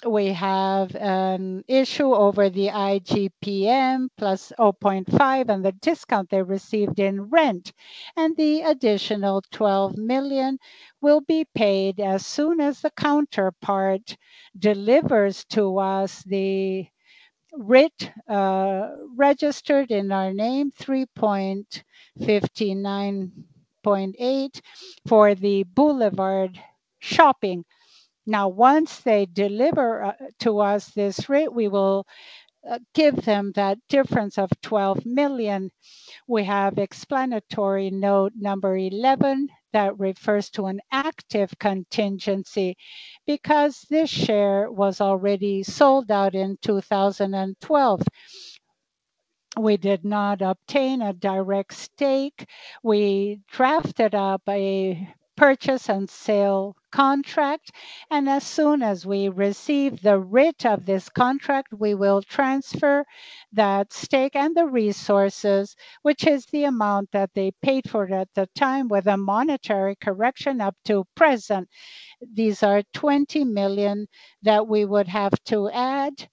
we have an issue over the IGPM + 0.5 and the discount they received in rent. The additional 12 million will be paid as soon as the counterpart delivers to us the writ registered in our name, 359.8 for the Boulevard Shopping. Now, once they deliver to us this writ, we will give them that difference of 12 million. We have explanatory note number eleven that refers to an active contingency because this share was already sold out in 2012. We did not obtain a direct stake. We drafted up a purchase and sale contract, and as soon as we receive the writ of this contract, we will transfer that stake and the resources, which is the amount that they paid for it at the time with a monetary correction up to present. These are 20 million that we would have to add,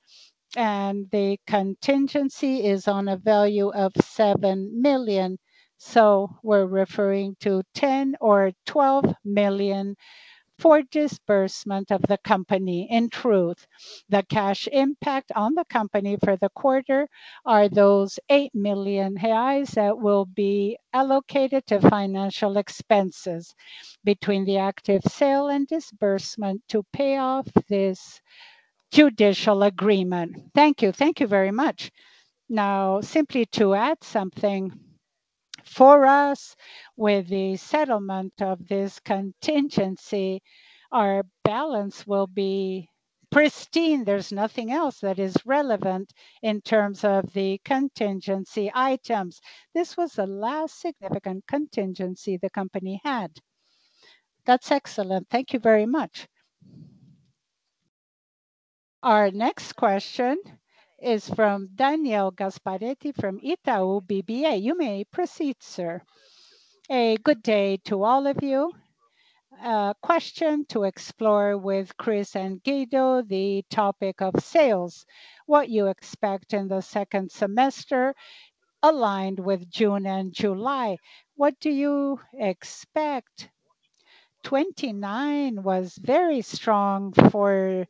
and the contingency is on a value of 7 million. We're referring to 10-12 million for disbursement of the company. In truth, the cash impact on the company for the quarter are those 8 million reais that will be allocated to financial expenses between the asset sale and disbursement to pay off this judicial agreement. Thank you. Thank you very much. Now, simply to add something, for us, with the settlement of this contingency, our balance will be pristine. There's nothing else that is relevant in terms of the contingency items. This was the last significant contingency the company had. That's excellent. Thank you very much. Our next question is from Daniel Gasparete from Itaú BBA. You may proceed, sir. A good day to all of you. A question to explore with Chris and Guido the topic of sales, what you expect in the second semester aligned with June and July. What do you expect? 29 was very strong for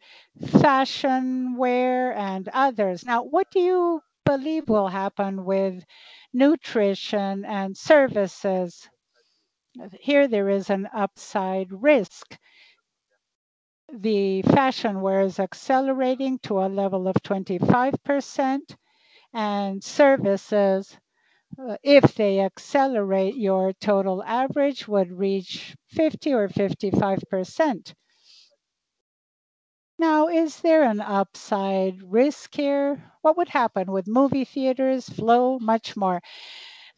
fashion wear and others. Now, what do you believe will happen with nutrition and services? Here there is an upside risk. The fashion wear is accelerating to a level of 25%, and services, if they accelerate, your total average would reach 50% or 55%. Now, is there an upside risk here? What would happen with movie theaters, flow, much more?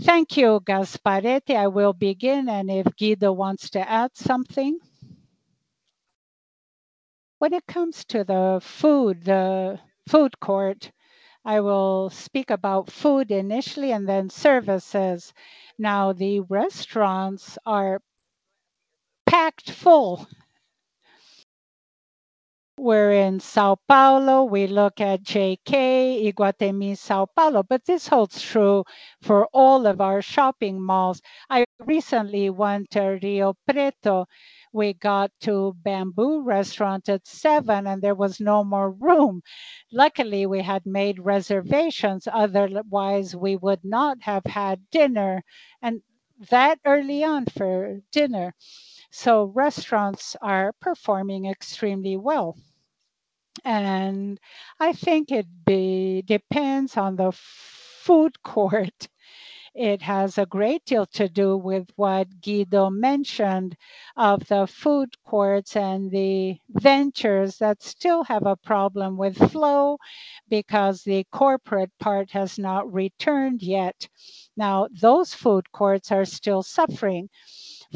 Thank you, Gasparete. I will begin, and if Guido wants to add something. When it comes to the food, the food court, I will speak about food initially and then services. Now, the restaurants are packed full. Whether in São Paulo, we look at JK Iguatemi São Paulo, but this holds true for all of our shopping malls. I recently went to Rio Preto. We got to Bamboo Restaurant at seven, and there was no more room. Luckily, we had made reservations. Otherwise, we would not have had dinner, and that early on for dinner. Restaurants are performing extremely well. I think it depends on the food court. It has a great deal to do with what Guido mentioned of the food courts and the ventures that still have a problem with flow because the corporate part has not returned yet. Now, those food courts are still suffering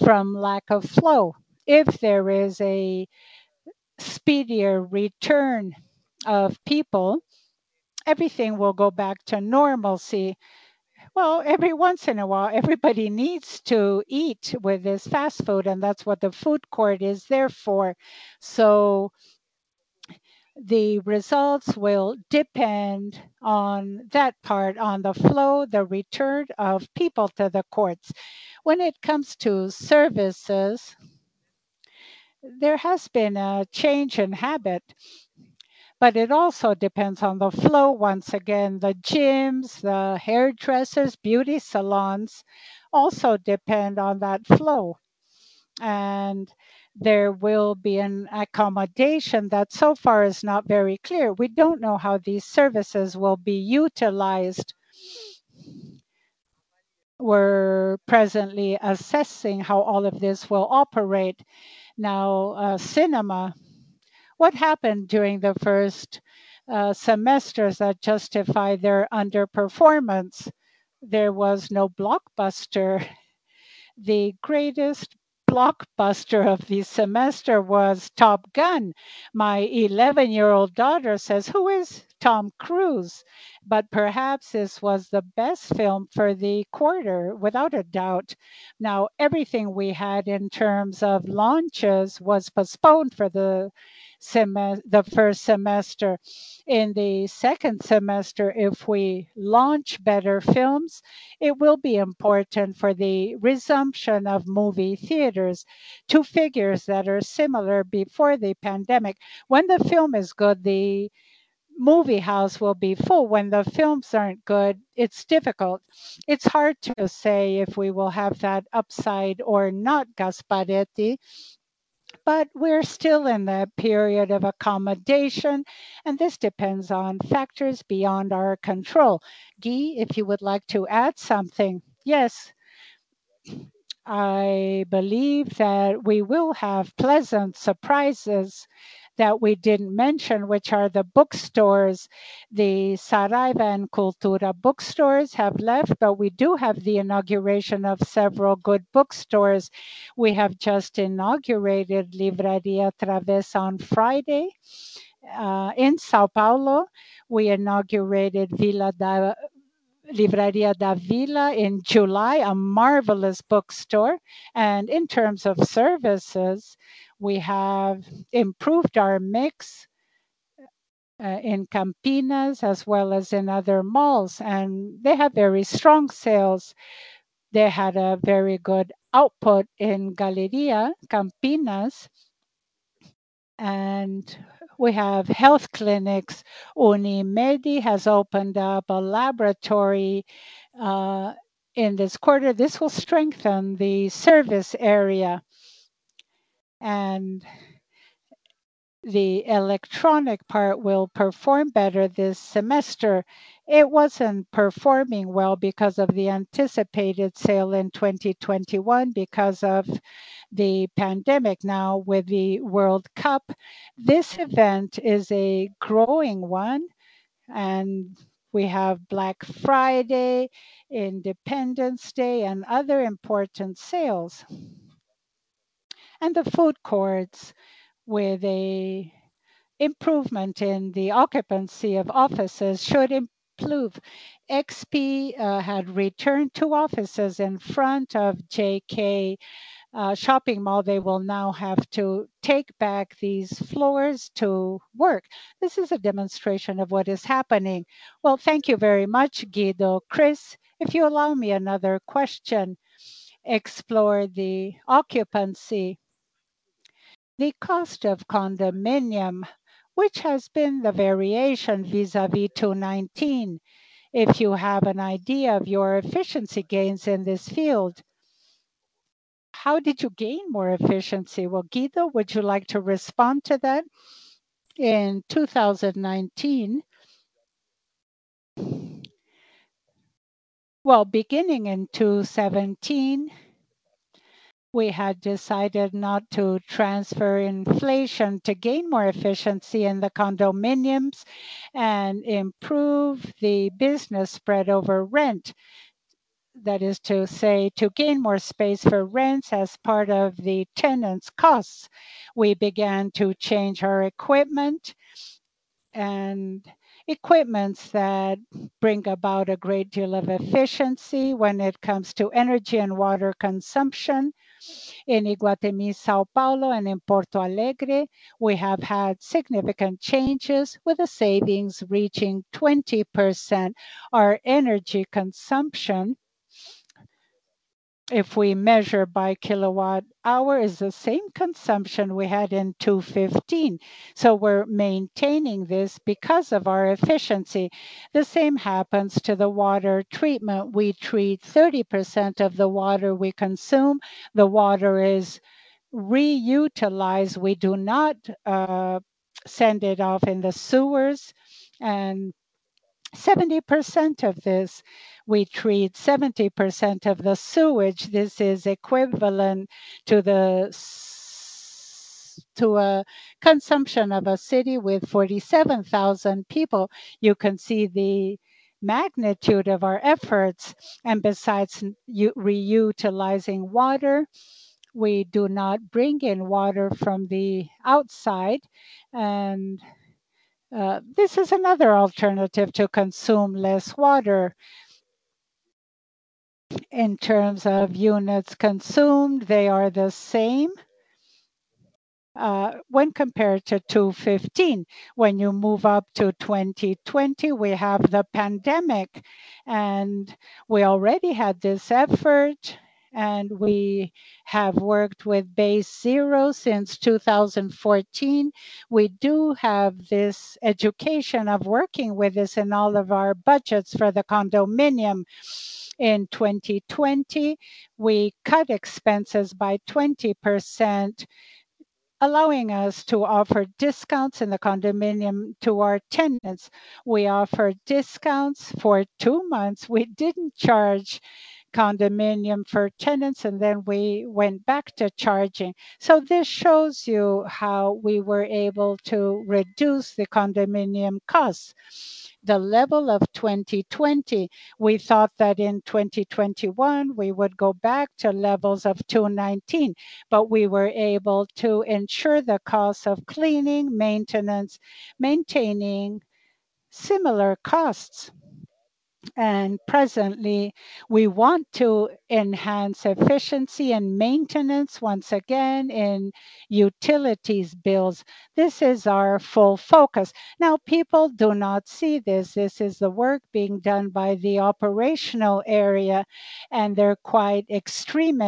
from lack of flow. If there is a speedier return of people, everything will go back to normalcy. Well, every once in a while, everybody needs to eat with this fast food, and that's what the food court is there for. The results will depend on that part, on the flow, the return of people to the courts. When it comes to services, there has been a change in habit, but it also depends on the flow once again. The gyms, the hairdressers, beauty salons also depend on that flow. There will be an accommodation that so far is not very clear. We don't know how these services will be utilized. We're presently assessing how all of this will operate. Now, cinema. What happened during the first semesters that justify their underperformance? There was no blockbuster. The greatest blockbuster of the semester was Top Gun. My 11-year-old daughter says, "Who is Tom Cruise?" Perhaps this was the best film for the quarter, without a doubt. Now, everything we had in terms of launches was postponed for the first semester. In the second semester, if we launch better films, it will be important for the resumption of movie theaters to figures that are similar before the pandemic. When the film is good, the movie house will be full. When the films aren't good, it's difficult. It's hard to say if we will have that upside or not, Gasparete, but we're still in the period of accommodation, and this depends on factors beyond our control. Gui, if you would like to add something. Yes. I believe that we will have pleasant surprises that we didn't mention, which are the bookstores. The Saraiva and Cultura bookstores have left, but we do have the inauguration of several good bookstores. We have just inaugurated Livraria da Travessa on Friday in São Paulo. We inaugurated Livraria da Vila in July, a marvelous bookstore. In terms of services, we have improved our mix in Campinas as well as in other malls, and they had very strong sales. They had a very good output in Galleria Shopping. We have health clinics. Unimed has opened up a laboratory in this quarter. This will strengthen the service area. The electronic part will perform better this semester. It wasn't performing well because of the anticipated sale in 2021 because of the pandemic. Now, with the World Cup, this event is a growing one, and we have Black Friday, Independence Day, and other important sales. The food courts with an improvement in the occupancy of offices should improve. XP had returned to offices in front of JK Iguatemi shopping mall. They will now have to take back these floors to work. This is a demonstration of what is happening. Well, thank you very much, Guido. Chris, if you allow me another question. Explore the occupancy, the cost of condominium, which has been the variation vis-à-vis 2019, if you have an idea of your efficiency gains in this field. How did you gain more efficiency? Well, Guido, would you like to respond to that? Well, beginning in 2017, we had decided not to transfer inflation to gain more efficiency in the condominiums and improve the business spread over rent. That is to say, to gain more space for rents as part of the tenants' costs. We began to change our equipment and equipments that bring about a great deal of efficiency when it comes to energy and water consumption. In Iguatemi São Paulo, and in Iguatemi Porto Alegre, we have had significant changes with the savings reaching 20%. Our energy consumption, if we measure by kilowatt hour, is the same consumption we had in 2015. We're maintaining this because of our efficiency. The same happens to the water treatment. We treat 30% of the water we consume. The water is reutilized. We do not send it off in the sewers. Seventy percent of this, we treat 70% of the sewage. This is equivalent to a consumption of a city with 47,000 people. You can see the magnitude of our efforts. Besides reutilizing water, we do not bring in water from the outside. This is another alternative to consume less water. In terms of units consumed, they are the same when compared to 2015. When you move up to 2020, we have the pandemic, and we already had this effort, and we have worked with Base Zero since 2014. We do have this education of working with this in all of our budgets for the condominium. In 2020, we cut expenses by 20%, allowing us to offer discounts in the condominium to our tenants. We offered discounts for 2 months. We didn't charge condominium for tenants, and then we went back to charging. This shows you how we were able to reduce the condominium costs. The level of 2020, we thought that in 2021 we would go back to levels of 2019, but we were able to ensure the cost of cleaning, maintenance, maintaining similar costs. Presently, we want to enhance efficiency and maintenance once again in utilities bills. This is our full focus. Now, people do not see this. This is the work being done by the operational area, and they're quite extreme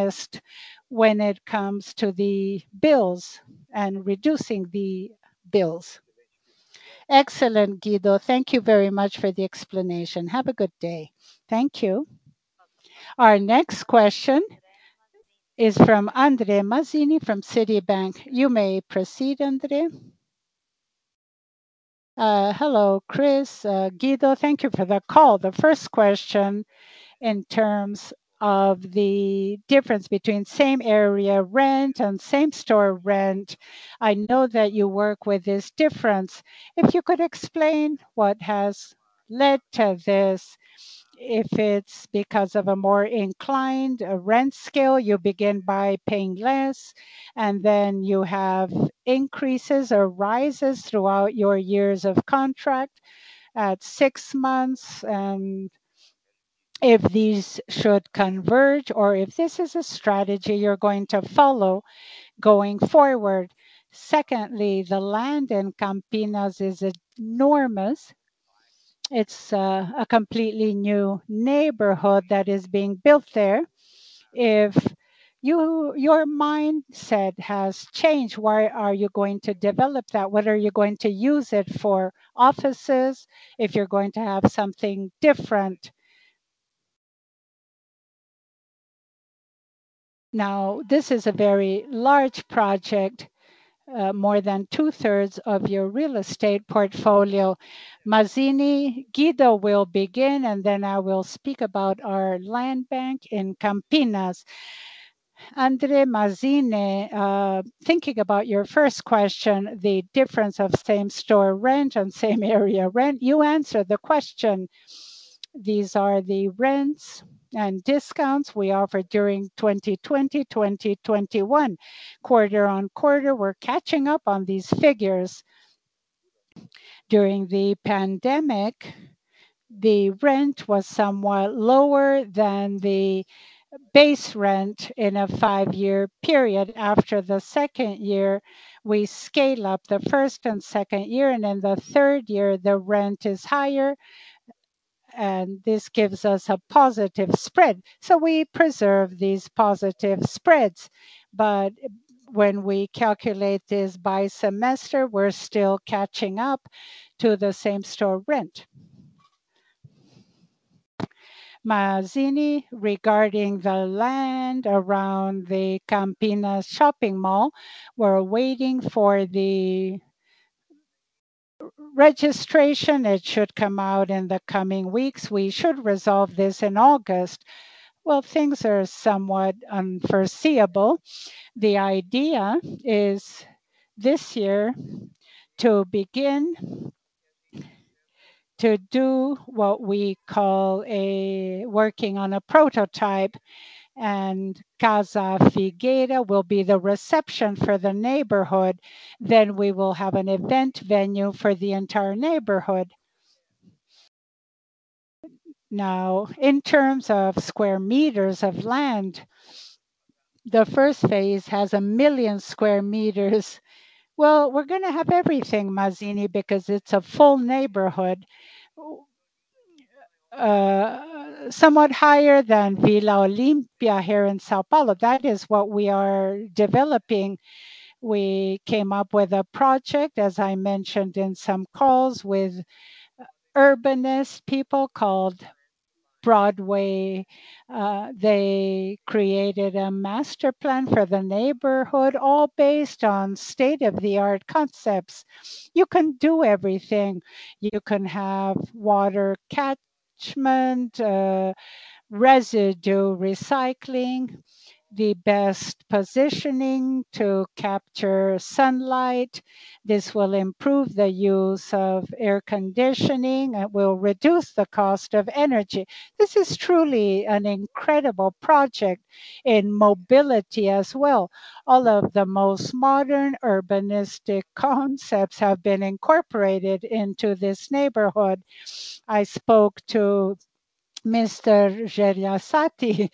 when it comes to the bills and reducing the bills. Excellent, Guido. Thank you very much for the explanation. Have a good day. Thank you. Our next question is from André Mazini from Citibank. You may proceed, André. Hello, Chris, Guido. Thank you for the call. The first question in terms of the difference between same area rent and same store rent, I know that you work with this difference. If you could explain what has led to this, if it's because of a more inclined rent scale, you begin by paying less, and then you have increases or rises throughout your years of contract at six months, and if these should converge or if this is a strategy you're going to follow going forward? Secondly, the land in Campinas is enormous. It's a completely new neighborhood that is being built there. If your mindset has changed, why are you going to develop that? What are you going to use it for offices if you're going to have something different? Now, this is a very large project, more than two-thirds of your real estate portfolio. André Mazini, Guido will begin, and then I will speak about our land bank in Campinas. André Mazini, thinking about your first question, the difference of same store rent and same area rent, you answered the question. These are the rents and discounts we offered during 2020, 2021. Quarter-on-quarter, we're catching up on these figures. During the pandemic, the rent was somewhat lower than the base rent in a five-year period. After the second year, we scale up the first and second year, and in the third year, the rent is higher, and this gives us a positive spread. We preserve these positive spreads. When we calculate this by semester, we're still catching up to the same store rent. Mazzini, regarding the land around the Iguatemi Campinas, we're waiting for the registration. It should come out in the coming weeks. We should resolve this in August. Things are somewhat unforeseeable. The idea is this year to begin to do what we call working on a prototype, and Casa Figueira will be the reception for the neighborhood. We will have an event venue for the entire neighborhood. In terms of square meters of land, the first phase has 1 million sq m. Well, we're gonna have everything, Mazini, because it's a full neighborhood. Somewhat higher than Vila Olímpia here in São Paulo. That is what we are developing. We came up with a project, as I mentioned in some calls, with urbanist people called Broadway Malyan. They created a master plan for the neighborhood all based on state-of-the-art concepts. You can do everything. You can have water catchment, residue recycling, the best positioning to capture sunlight. This will improve the use of air conditioning. It will reduce the cost of energy. This is truly an incredible project in mobility as well. All of the most modern urbanistic concepts have been incorporated into this neighborhood. I spoke to Mr. Jereissati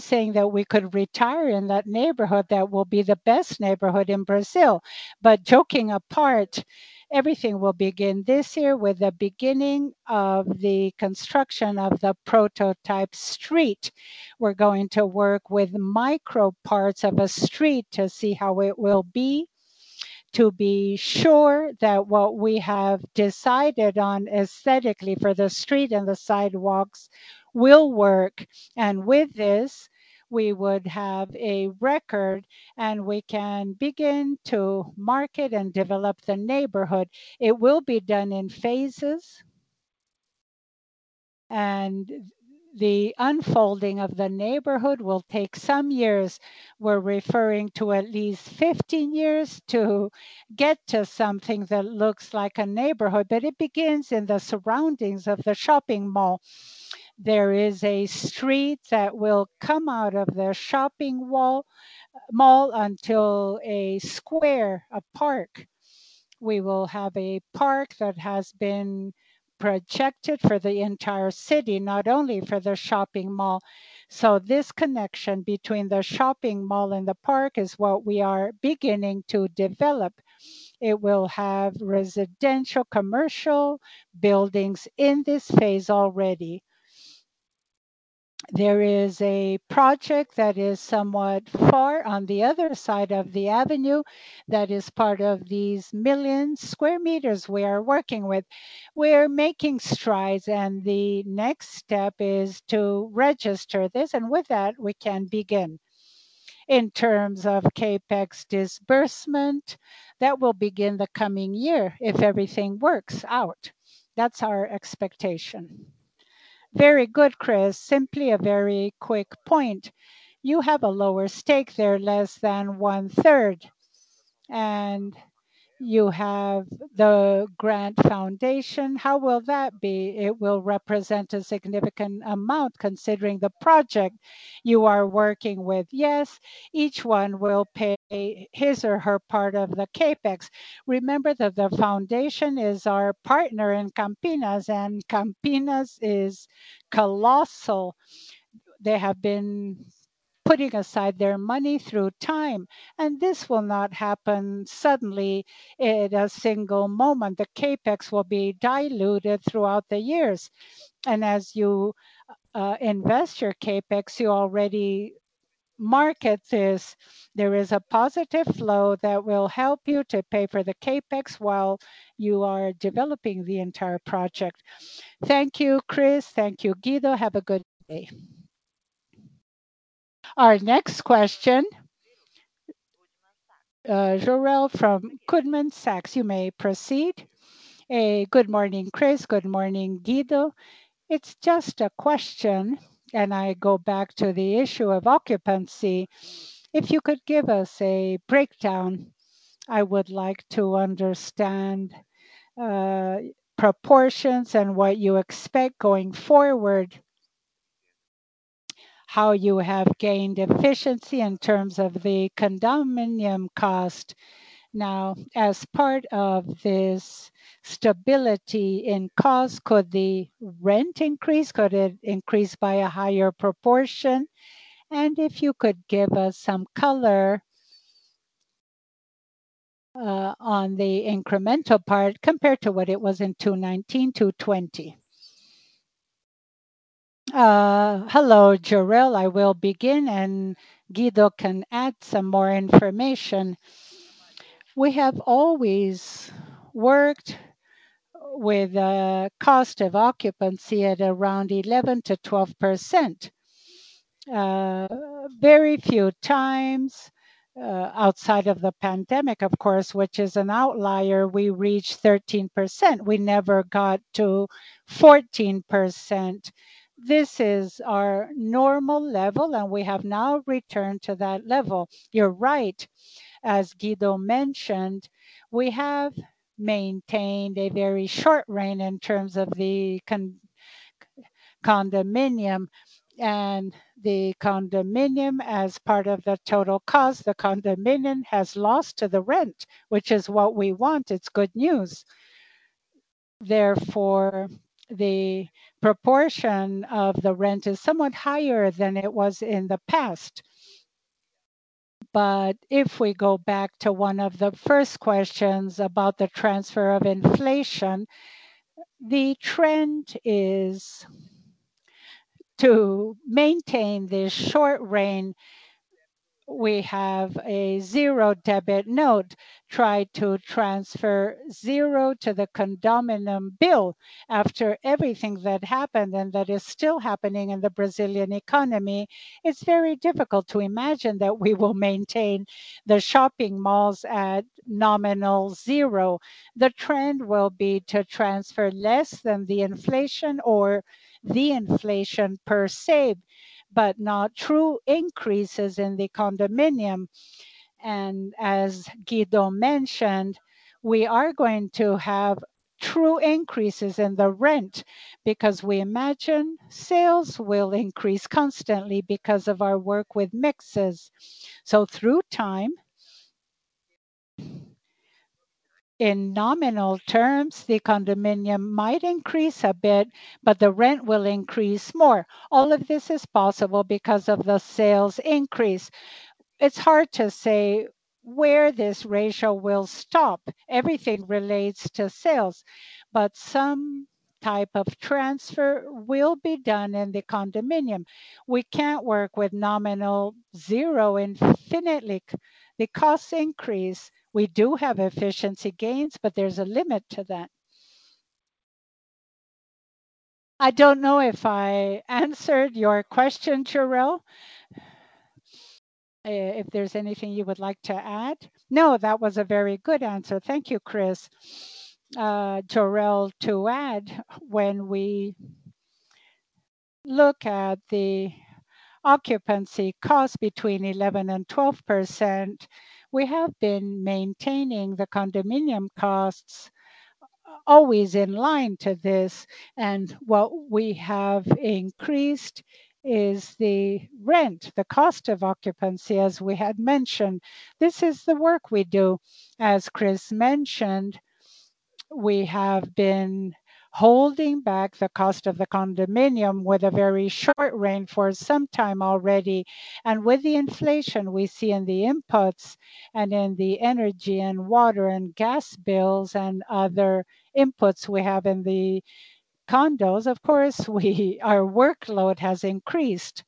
saying that we could retire in that neighborhood. That will be the best neighborhood in Brazil. Joking apart, everything will begin this year with the beginning of the construction of the prototype street. We're going to work with micro parts of a street to see how it will be, to be sure that what we have decided on aesthetically for the street and the sidewalks will work. With this, we would have a record, and we can begin to market and develop the neighborhood. It will be done in phases. The unfolding of the neighborhood will take some years. We're referring to at least 15 years to get to something that looks like a neighborhood. It begins in the surroundings of the shopping mall. There is a street that will come out of the shopping mall until a square, a park. We will have a park that has been projected for the entire city, not only for the shopping mall. This connection between the shopping mall and the park is what we are beginning to develop. It will have residential, commercial buildings in this phase already. There is a project that is somewhat far on the other side of the avenue that is part of these million square meters we are working with. We are making strides, and the next step is to register this, and with that, we can begin. In terms of CapEx disbursement, that will begin the coming year if everything works out. That's our expectation. Very good, Chris. Simply a very quick point. You have a lower stake there, less than one-third, and you have the grant foundation. How will that be? It will represent a significant amount considering the project you are working with. Yes, each one will pay his or her part of the CapEx. Remember that the foundation is our partner in Campinas, and Campinas is colossal. They have been putting aside their money through time, and this will not happen suddenly in a single moment. The CapEx will be diluted throughout the years. As you invest your CapEx, you already market this. There is a positive flow that will help you to pay for the CapEx while you are developing the entire project. Thank you, Chris. Thank you, Guido. Have a good day. Our next question, Jorel from Goldman Sachs. You may proceed. Good morning, Chris. Good morning, Guido. It's just a question. I go back to the issue of occupancy. If you could give us a breakdown, I would like to understand proportions and what you expect going forward, how you have gained efficiency in terms of the condominium cost. Now, as part of this stability in cost, could the rent increase? Could it increase by a higher proportion? If you could give us some color on the incremental part compared to what it was in 2019, 2020. Hello, Jorel. I will begin, and Guido can add some more information. We have always worked with a cost of occupancy at around 11%-12%. Very few times, outside of the pandemic, of course, which is an outlier, we reached 13%. We never got to 14%. This is our normal level, and we have now returned to that level. You're right. As Guido mentioned, we have maintained a very short rein in terms of the condominium and the condominium as part of the total cost. The condominium has lost to the rent, which is what we want. It's good news. Therefore, the proportion of the rent is somewhat higher than it was in the past. If we go back to one of the first questions about the transfer of inflation, the trend is to maintain this short rein. We have zero debt now. Try to transfer zero to the condominium bill. After everything that happened and that is still happening in the Brazilian economy, it's very difficult to imagine that we will maintain the shopping malls at nominal zero. The trend will be to transfer less than the inflation or the inflation per se, but not true increases in the condominium. As Guido mentioned, we are going to have true increases in the rent because we imagine sales will increase constantly because of our work with mixes. Through time, in nominal terms, the condominium might increase a bit, but the rent will increase more. All of this is possible because of the sales increase. It's hard to say where this ratio will stop. Everything relates to sales, but some type of transfer will be done in the condominium. We can't work with nominal zero infinitely. The costs increase. We do have efficiency gains, but there's a limit to that. I don't know if I answered your question, Jorel. If there's anything you would like to add. No, that was a very good answer. Thank you, Chris. Jorel, to add, when we look at the occupancy cost between 11%-12%, we have been maintaining the condominium costs always in line to this, and what we have increased is the rent, the cost of occupancy as we had mentioned. This is the work we do. As Chris mentioned, we have been holding back the cost of the condominium with a very short rein for some time already. With the inflation we see in the inputs and in the energy and water and gas bills and other inputs we have in the condos, of course, our workload has increased.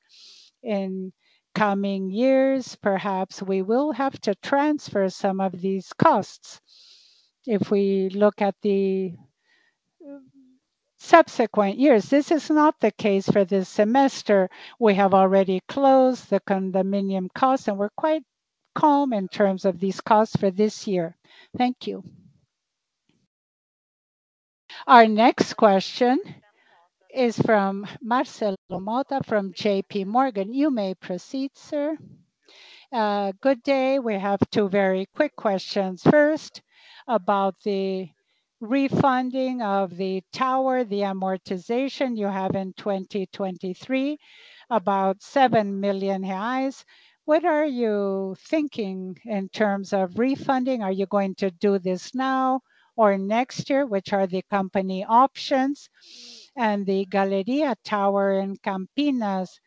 In coming years, perhaps we will have to transfer some of these costs. If we look at the subsequent years, this is not the case for this semester. We have already closed the condominium costs, and we're quite calm in terms of these costs for this year. Thank you. Our next question is from Marcelo Motta from JPMorgan. You may proceed, sir. Good day. We have two very quick questions. First, about the refunding of the tower, the amortization you have in 2023, about 7 million reais. What are you thinking in terms of refunding? Are you going to do this now or next year? Which are the company options? And the Sky Galleria in Campinas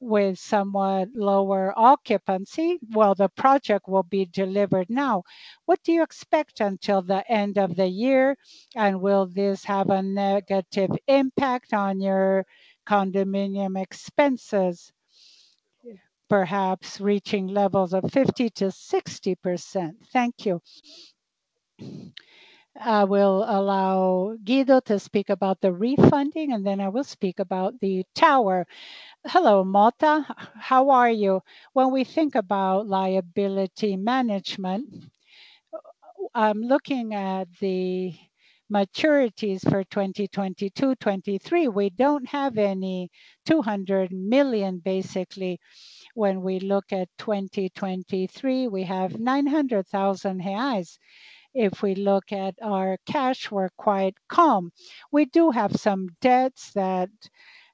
with somewhat lower occupancy, well, the project will be delivered now. What do you expect until the end of the year? And will this have a negative impact on your condominium expenses, perhaps reaching levels of 50%-60%? Thank you. I will allow Guido to speak about the refunding, and then I will speak about the tower. Hello, Mota. How are you? When we think about liability management, looking at the maturities for 2022, 2023, we don't have any 200 million basically. When we look at 2023, we have 900,000 reais. If we look at our cash, we're quite calm. We do have some debts that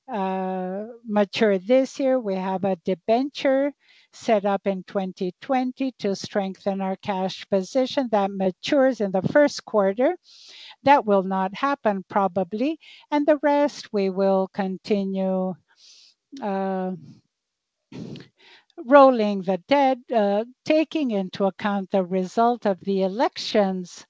mature this year. We have a debenture set up in 2020 to strengthen our cash position that matures in the first quarter. That will not happen probably, and the rest we will continue rolling the debt. Taking into account the result of the elections,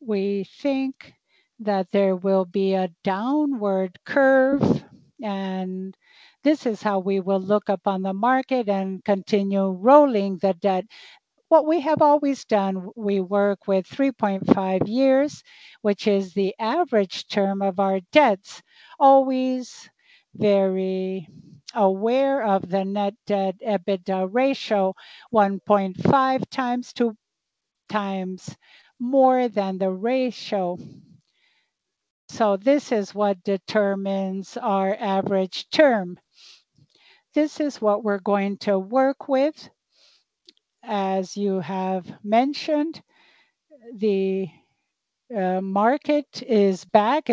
we think that there will be a downward curve, and this is how we will look upon the market and continue rolling the debt. What we have always done, we work with 3.5 years, which is the average term of our debts, always very aware of the net debt EBITDA ratio, 1.5x-2x more than the ratio. This is what determines our average term. This is what we're going to work with. As you have mentioned, the market is back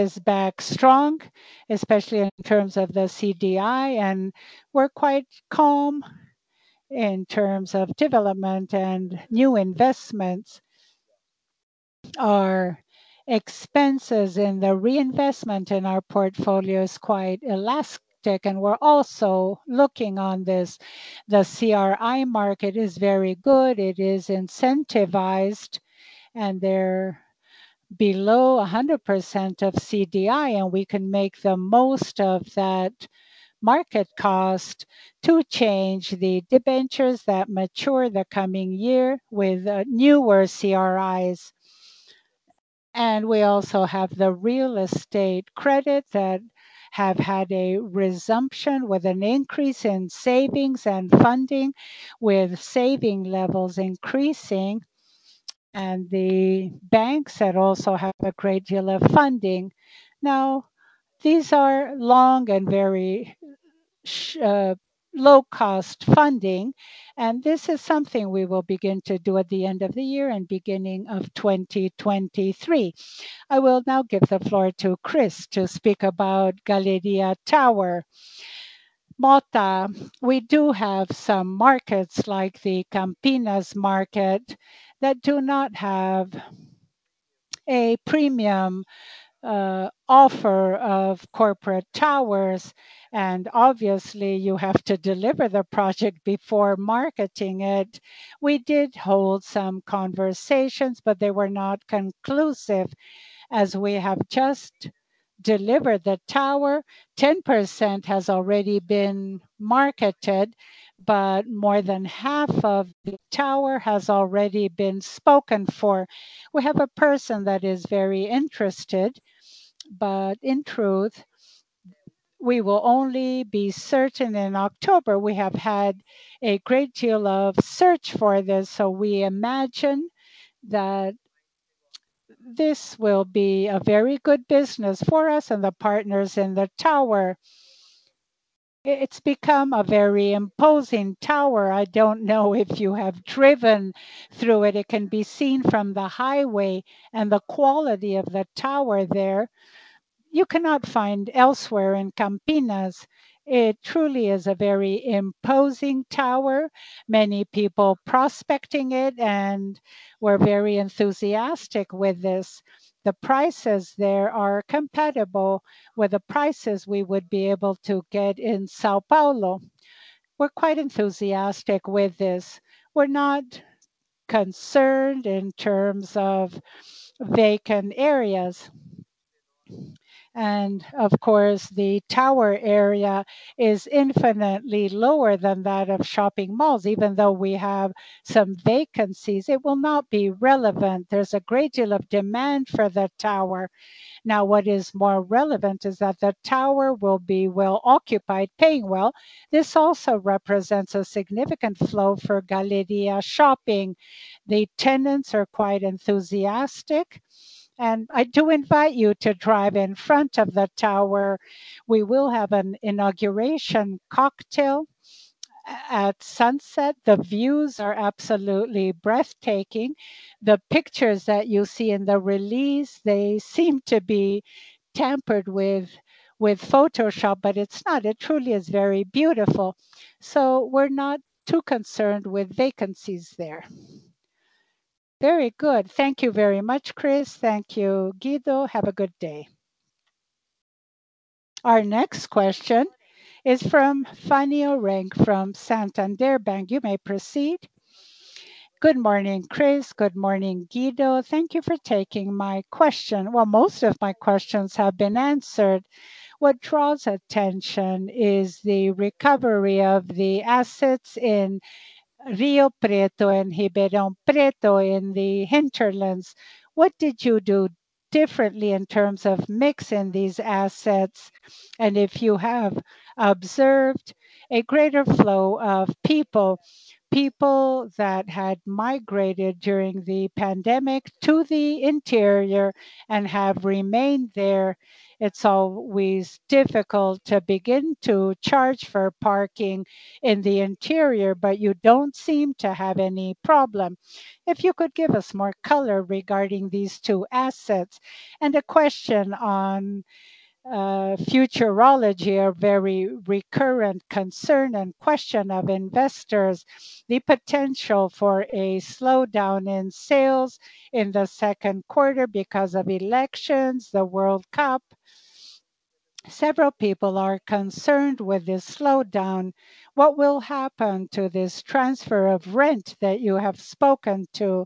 strong, especially in terms of the CDI, and we're quite calm in terms of development and new investments. Our expenses in the reinvestment in our portfolio is quite elastic, and we're also looking on this. The CRI market is very good. It is incentivized, and they're below 100% of CDI, and we can make the most of that market cost to change the debentures that mature the coming year with newer CRIs. We also have the real estate credit that have had a resumption with an increase in savings and funding, with saving levels increasing and the banks that also have a great deal of funding. Now, these are long and very low-cost funding, and this is something we will begin to do at the end of the year and beginning of 2023. I will now give the floor to Chris to speak about Sky Galleria. Mota, we do have some markets like the Campinas market that do not have a premium offer of corporate towers, and obviously you have to deliver the project before marketing it. We did hold some conversations, but they were not conclusive as we have just delivered the tower. 10% has already been marketed, but more than half of the tower has already been spoken for. We have a person that is very interested, but in truth, we will only be certain in October. We have had a great deal of search for this, so we imagine that this will be a very good business for us and the partners in the tower. It's become a very imposing tower. I don't know if you have driven through it. It can be seen from the highway, and the quality of the tower there you cannot find elsewhere in Campinas. It truly is a very imposing tower. Many people prospecting it, and we're very enthusiastic with this. The prices there are compatible with the prices we would be able to get in São Paulo. We're quite enthusiastic with this. We're not concerned in terms of vacant areas. Of course, the tower area is infinitely lower than that of shopping malls. Even though we have some vacancies, it will not be relevant. There's a great deal of demand for the tower. Now, what is more relevant is that the tower will be well occupied, paying well. This also represents a significant flow for Galleria Shopping. The tenants are quite enthusiastic, and I do invite you to drive in front of the tower. We will have an inauguration cocktail at sunset. The views are absolutely breathtaking. The pictures that you see in the release, they seem to be tampered with Photoshop, but it's not. It truly is very beautiful. So we're not too concerned with vacancies there. Very good. Thank you very much, Chris. Thank you, Guido. Have a good day. Our next question is from Fanny Oreng from Santander. You may proceed. Good morning, Chris. Good morning, Guido. Thank you for taking my question. Well, most of my questions have been answered. What draws attention is the recovery of the assets in Rio Preto and Ribeirão Preto in the hinterlands. What did you do differently in terms of mixing these assets? And if you have observed a greater flow of people that had migrated during the pandemic to the interior and have remained there, it's always difficult to begin to charge for parking in the interior, but you don't seem to have any problem. If you could give us more color regarding these two assets. And a question on futurology, a very recurrent concern and question of investors, the potential for a slowdown in sales in the second quarter because of elections, the World Cup. Several people are concerned with this slowdown. What will happen to this transfer of rent that you have spoken to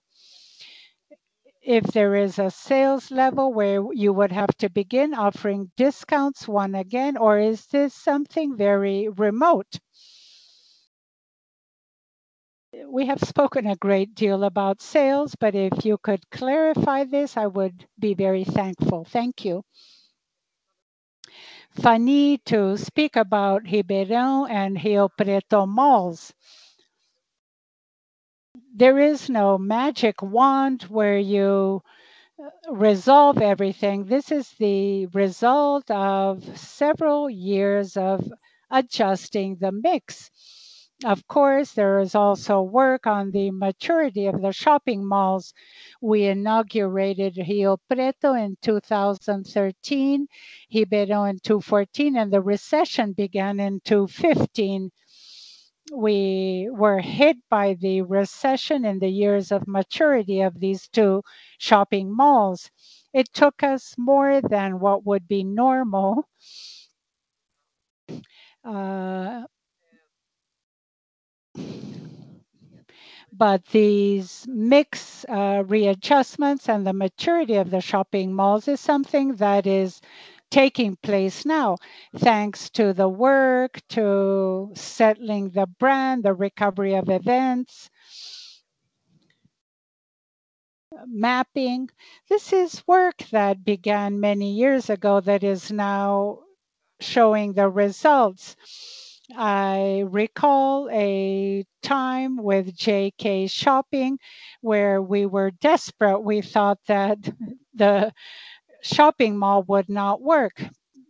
if there is a sales level where you would have to begin offering discounts once again, or is this something very remote? We have spoken a great deal about sales, but if you could clarify this, I would be very thankful. Thank you. Fun to speak about Ribeirão and Rio Preto malls. There is no magic wand where you resolve everything. This is the result of several years of adjusting the mix. Of course, there is also work on the maturity of the shopping malls. We inaugurated Rio Preto in 2013, Ribeirão in 2014, and the recession began in 2015. We were hit by the recession in the years of maturity of these two shopping malls. It took us more than what would be normal. These mix readjustments and the maturity of the shopping malls is something that is taking place now, thanks to the work to settling the brand, the recovery of events, marketing. This is work that began many years ago that is now showing the results. I recall a time with JK Iguatemi where we were desperate. We thought that the shopping mall would not work.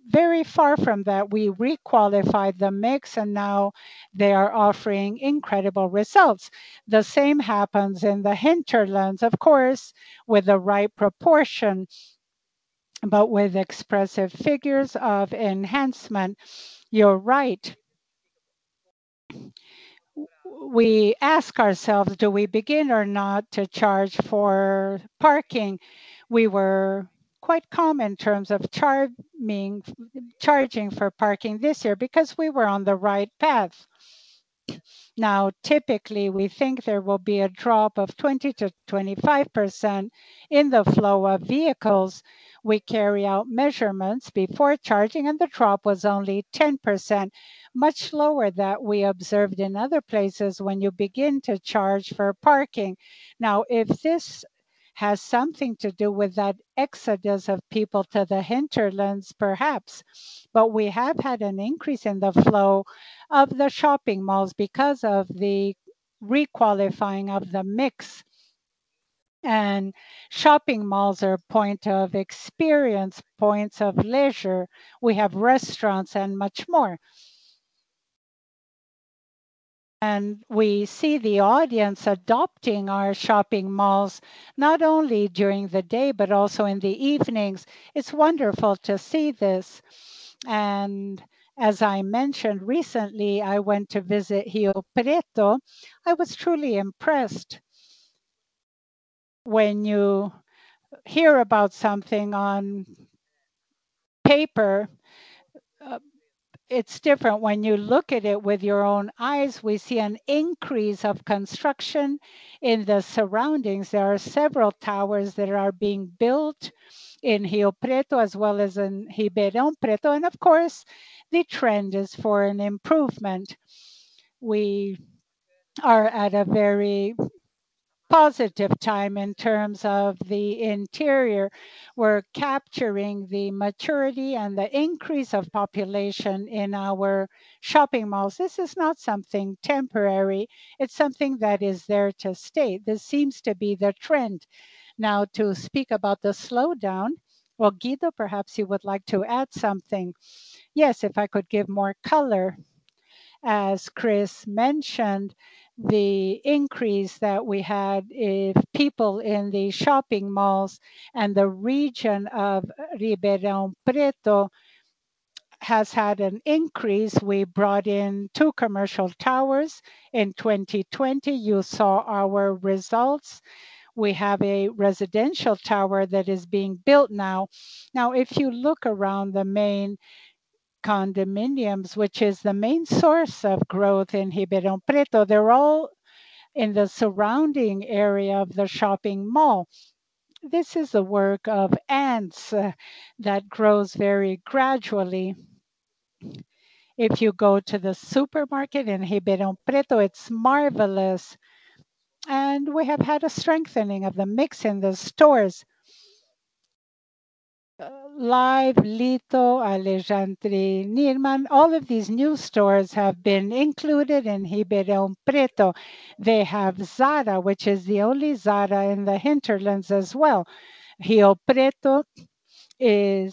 Very far from that, we requalified the mix, and now they are offering incredible results. The same happens in the hinterlands, of course, with the right proportions, but with expressive figures of enhancement. You're right. We ask ourselves, do we begin or not to charge for parking? We were quite calm in terms of charging for parking this year because we were on the right path. Now, typically, we think there will be a drop of 20%-25% in the flow of vehicles. We carry out measurements before charging, and the drop was only 10%, much lower than we observed in other places when you begin to charge for parking. Now, if this has something to do with that exodus of people to the hinterlands, perhaps. We have had an increase in the flow of the shopping malls because of the requalifying of the mix. Shopping malls are points of experience, points of leisure. We have restaurants and much more. We see the audience adopting our shopping malls, not only during the day, but also in the evenings. It's wonderful to see this. As I mentioned, recently I went to visit Rio Preto. I was truly impressed. When you hear about something on paper, it's different when you look at it with your own eyes. We see an increase of construction in the surroundings. There are several towers that are being built in Rio Preto as well as in Ribeirão Preto. Of course, the trend is for an improvement. We are at a very positive time in terms of the interior. We're capturing the maturity and the increase of population in our shopping malls. This is not something temporary. It's something that is there to stay. This seems to be the trend. Now, to speak about the slowdown, well, Guido, perhaps you would like to add something. Yes, if I could give more color. As Chris mentioned, the increase that we had of people in the shopping malls and the region of Ribeirão Preto has had an increase. We brought in two commercial towers in 2020. You saw our results. We have a residential tower that is being built now. If you look around the main condominiums, which is the main source of growth in Ribeirão Preto, they're all in the surrounding area of the shopping mall. This is a work of ants that grows very gradually. If you go to the supermarket in Ribeirão Preto, it's marvelous. We have had a strengthening of the mix in the stores. Live, Lita, Alexandre Birman, Nirman, all of these new stores have been included in Ribeirão Preto. They have Zara, which is the only Zara in the hinterlands as well. Rio Preto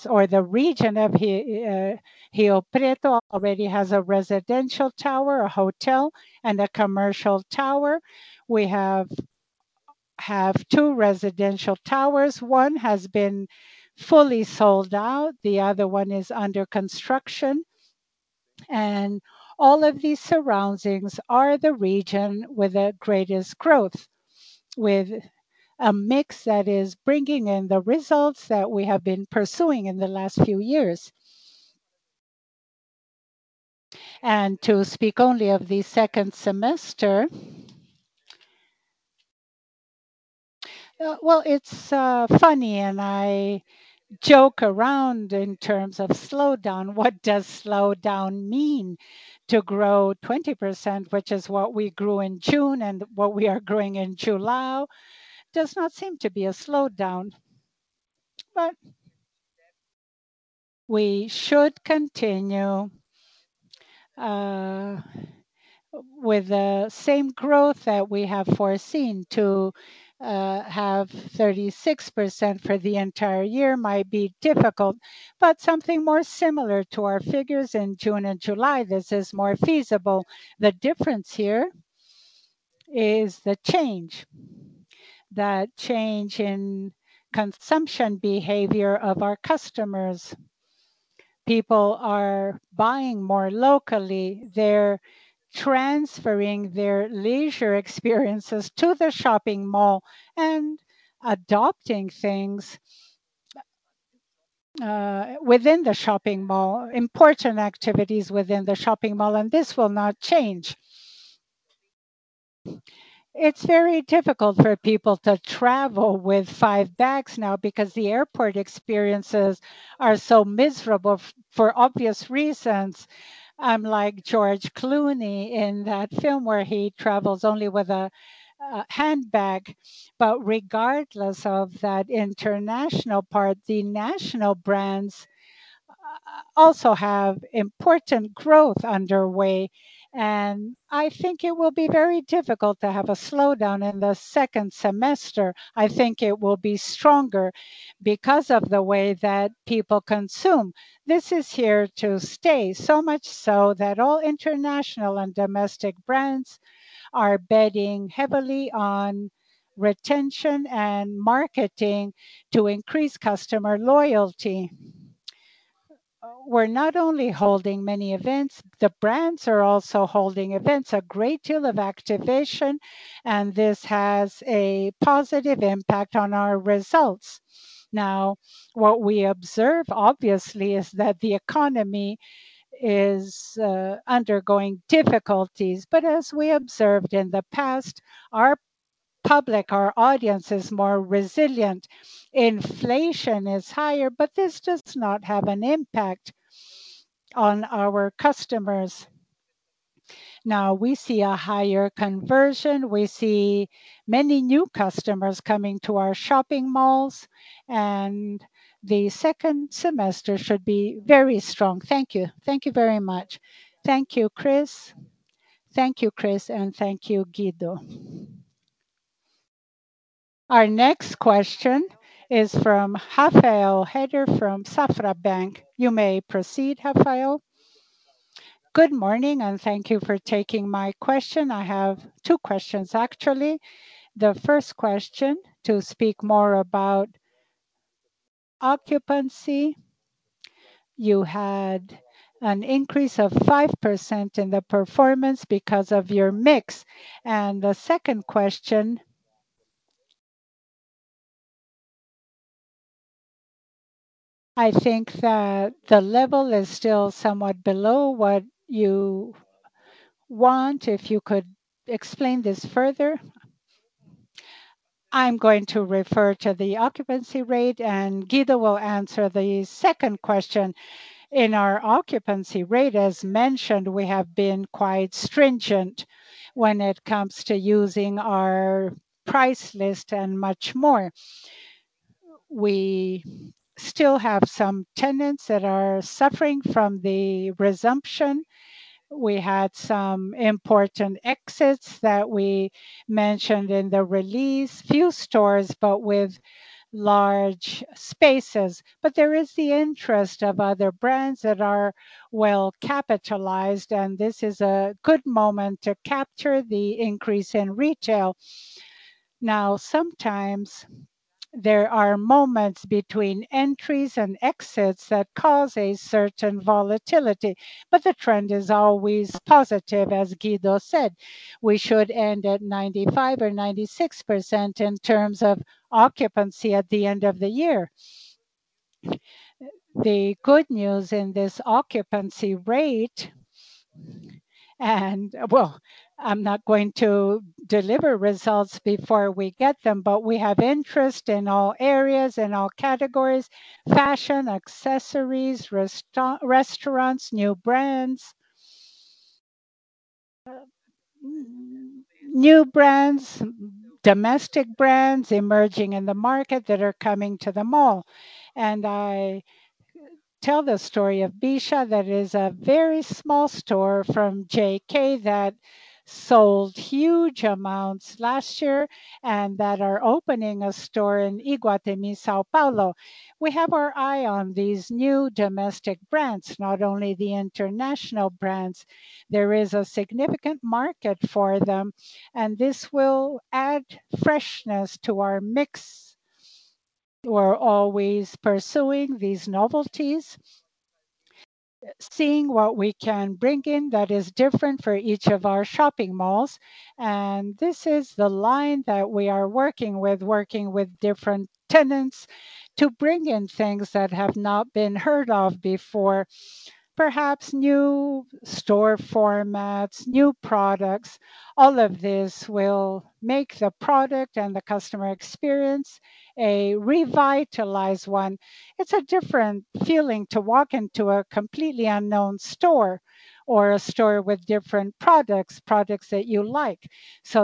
or the region of Rio Preto already has a residential tower, a hotel, and a commercial tower. We have two residential towers. One has been fully sold out, the other one is under construction. All of these surroundings are the region with the greatest growth, with a mix that is bringing in the results that we have been pursuing in the last few years. To speak only of the second semester. Well, it's funny, and I joke around in terms of slowdown. What does slowdown mean? To grow 20%, which is what we grew in June and what we are growing in July, does not seem to be a slowdown. We should continue, with the same growth that we have foreseen. To have 36% for the entire year might be difficult, but something more similar to our figures in June and July, this is more feasible. The difference here is the change in consumption behavior of our customers. People are buying more locally. They're transferring their leisure experiences to the shopping mall and adopting things within the shopping mall, important activities within the shopping mall, and this will not change. It's very difficult for people to travel with five bags now because the airport experiences are so miserable for obvious reasons. I'm like George Clooney in that film where he travels only with a handbag. Regardless of that international part, the national brands also have important growth underway, and I think it will be very difficult to have a slowdown in the second semester. I think it will be stronger because of the way that people consume. This is here to stay, so much so that all international and domestic brands are betting heavily on retention and marketing to increase customer loyalty. We're not only holding many events, the brands are also holding events, a great deal of activation, and this has a positive impact on our results. Now, what we observe, obviously, is that the economy is undergoing difficulties. As we observed in the past, our public, our audience is more resilient. Inflation is higher, but this does not have an impact on our customers. Now, we see a higher conversion. We see many new customers coming to our shopping malls, and the second semester should be very strong. Thank you. Thank you very much. Thank you, Chris, and thank you, Guido. Our next question is from Rafael Rehder from Safra Bank. You may proceed, Rafael. Good morning, and thank you for taking my question. I have two questions, actually. The first question, to speak more about occupancy. You had an increase of 5% in the performance because of your mix. The second question, I think that the level is still somewhat below what you want. If you could explain this further. I'm going to refer to the occupancy rate, and Guido will answer the second question. In our occupancy rate, as mentioned, we have been quite stringent when it comes to using our price list and much more. We still have some tenants that are suffering from the resumption. We had some important exits that we mentioned in the release. Few stores, but with large spaces. There is the interest of other brands that are well-capitalized, and this is a good moment to capture the increase in retail. Now, sometimes there are moments between entries and exits that cause a certain volatility, but the trend is always positive, as Guido said. We should end at 95%-96% in terms of occupancy at the end of the year. The good news in this occupancy rate. Well, I'm not going to deliver results before we get them, but we have interest in all areas, in all categories: fashion, accessories, restaurants, new brands. New brands, domestic brands emerging in the market that are coming to the mall. I tell the story of Bicha, that is a very small store from JK that sold huge amounts last year and that are opening a store in Iguatemi, São Paulo. We have our eye on these new domestic brands, not only the international brands. There is a significant market for them, and this will add freshness to our mix. We're always pursuing these novelties, seeing what we can bring in that is different for each of our shopping malls, and this is the line that we are working with, working with different tenants to bring in things that have not been heard of before. Perhaps new store formats, new products. All of this will make the product and the customer experience a revitalized one. It's a different feeling to walk into a completely unknown store or a store with different products that you like.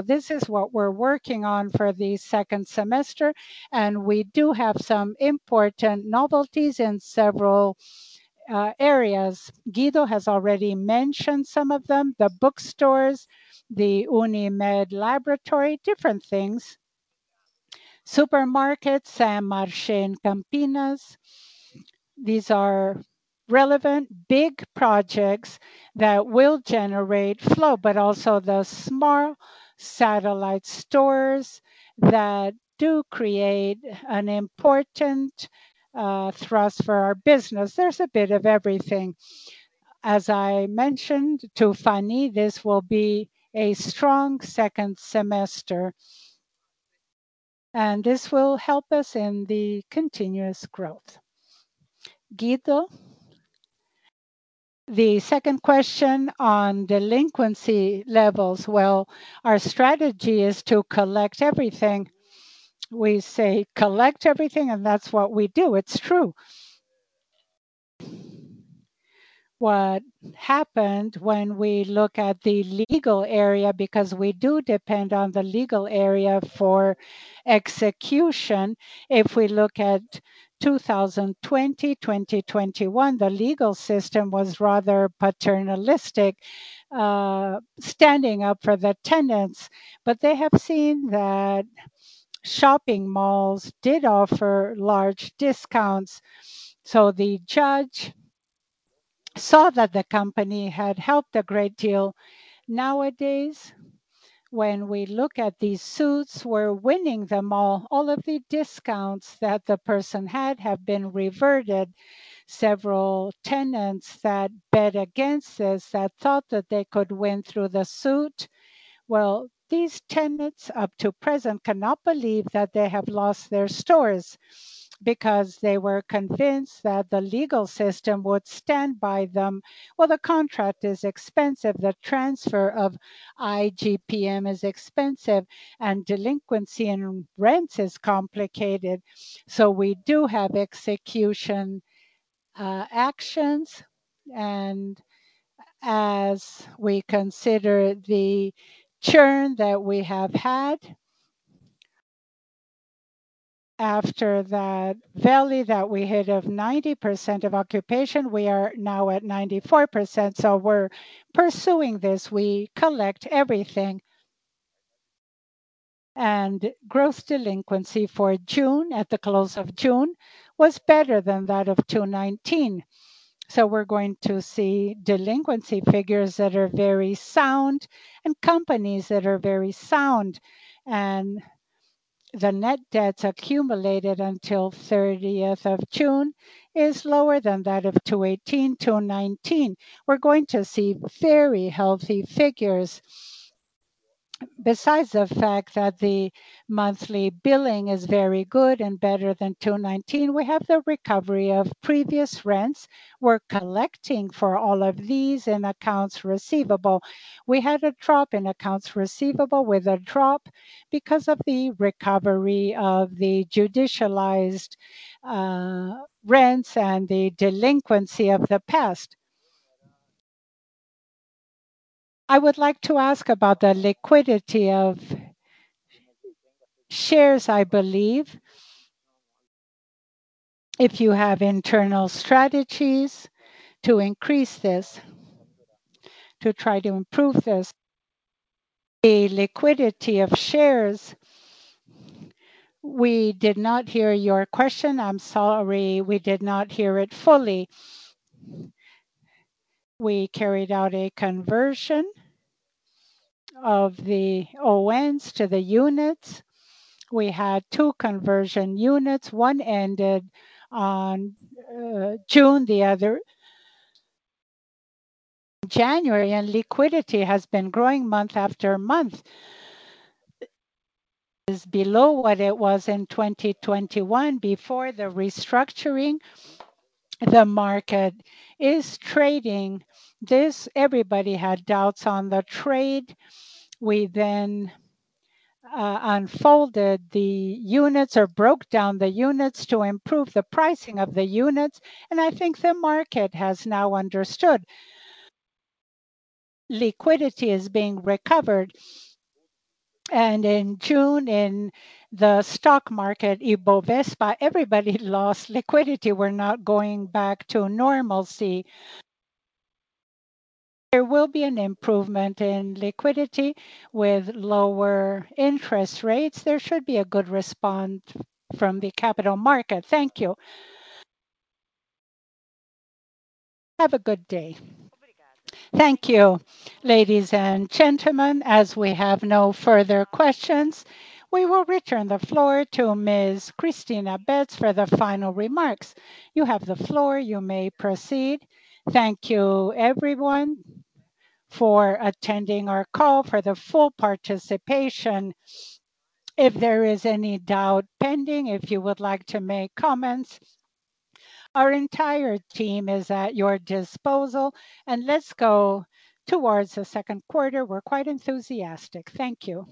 This is what we're working on for the second semester, and we do have some important novelties in several areas. Guido has already mentioned some of them, the bookstores, the Unimed laboratory, different things. Supermarkets, St. Marche in Campinas. These are relevant, big projects that will generate flow, but also the small satellite stores that do create an important thrust for our business. There's a bit of everything. As I mentioned to Fani, this will be a strong second semester, and this will help us in the continuous growth. Guido? The second question on delinquency levels. Well, our strategy is to collect everything. We say collect everything, and that's what we do. It's true. What happened when we look at the legal area, because we do depend on the legal area for execution. If we look at 2020, 2021, the legal system was rather paternalistic, standing up for the tenants, but they have seen that shopping malls did offer large discounts. The judge saw that the company had helped a great deal. Nowadays, when we look at these suits, we're winning them all. All of the discounts that the person had have been reverted. Several tenants that bet against us, that thought that they could win through the suit, these tenants up to present cannot believe that they have lost their stores because they were convinced that the legal system would stand by them. The contract is expensive, the transfer of IGPM is expensive, and delinquency in rents is complicated. We do have execution actions. As we consider the churn that we have had. After that valley that we hit of 90% of occupation, we are now at 94%. We're pursuing this. We collect everything. Gross delinquency for June, at the close of June, was better than that of 2019. We're going to see delinquency figures that are very sound and companies that are very sound. The net debts accumulated until the thirtieth of June is lower than that of 2018, 2019. We're going to see very healthy figures. Besides the fact that the monthly billing is very good and better than 2019, we have the recovery of previous rents. We're collecting for all of these in accounts receivable. We had a drop in accounts receivable with a drop because of the recovery of the judicialized rents and the delinquency of the past. I would like to ask about the liquidity of shares, I believe. If you have internal strategies to increase this, to try to improve this. The liquidity of shares. We did not hear your question. I'm sorry. We did not hear it fully. We carried out a conversion of the ONs to the units. We had two conversion units. One ended on June, the other January, and liquidity has been growing month after month. Is below what it was in 2021 before the restructuring. The market is trading. This, everybody had doubts on the trade. We then unfolded the units or broke down the units to improve the pricing of the units, and I think the market has now understood. Liquidity is being recovered. In June, in the stock market, Ibovespa, everybody lost liquidity. We're now going back to normalcy. There will be an improvement in liquidity with lower interest rates. There should be a good response from the capital market. Thank you. Have a good day. Thank you. Ladies and gentlemen, as we have no further questions, we will return the floor to Ms. Cristina Betts for the final remarks. You have the floor. You may proceed. Thank you, everyone, for attending our call, for the full participation. If there is any doubt pending, if you would like to make comments, our entire team is at your disposal. Let's go towards the second quarter. We're quite enthusiastic. Thank you.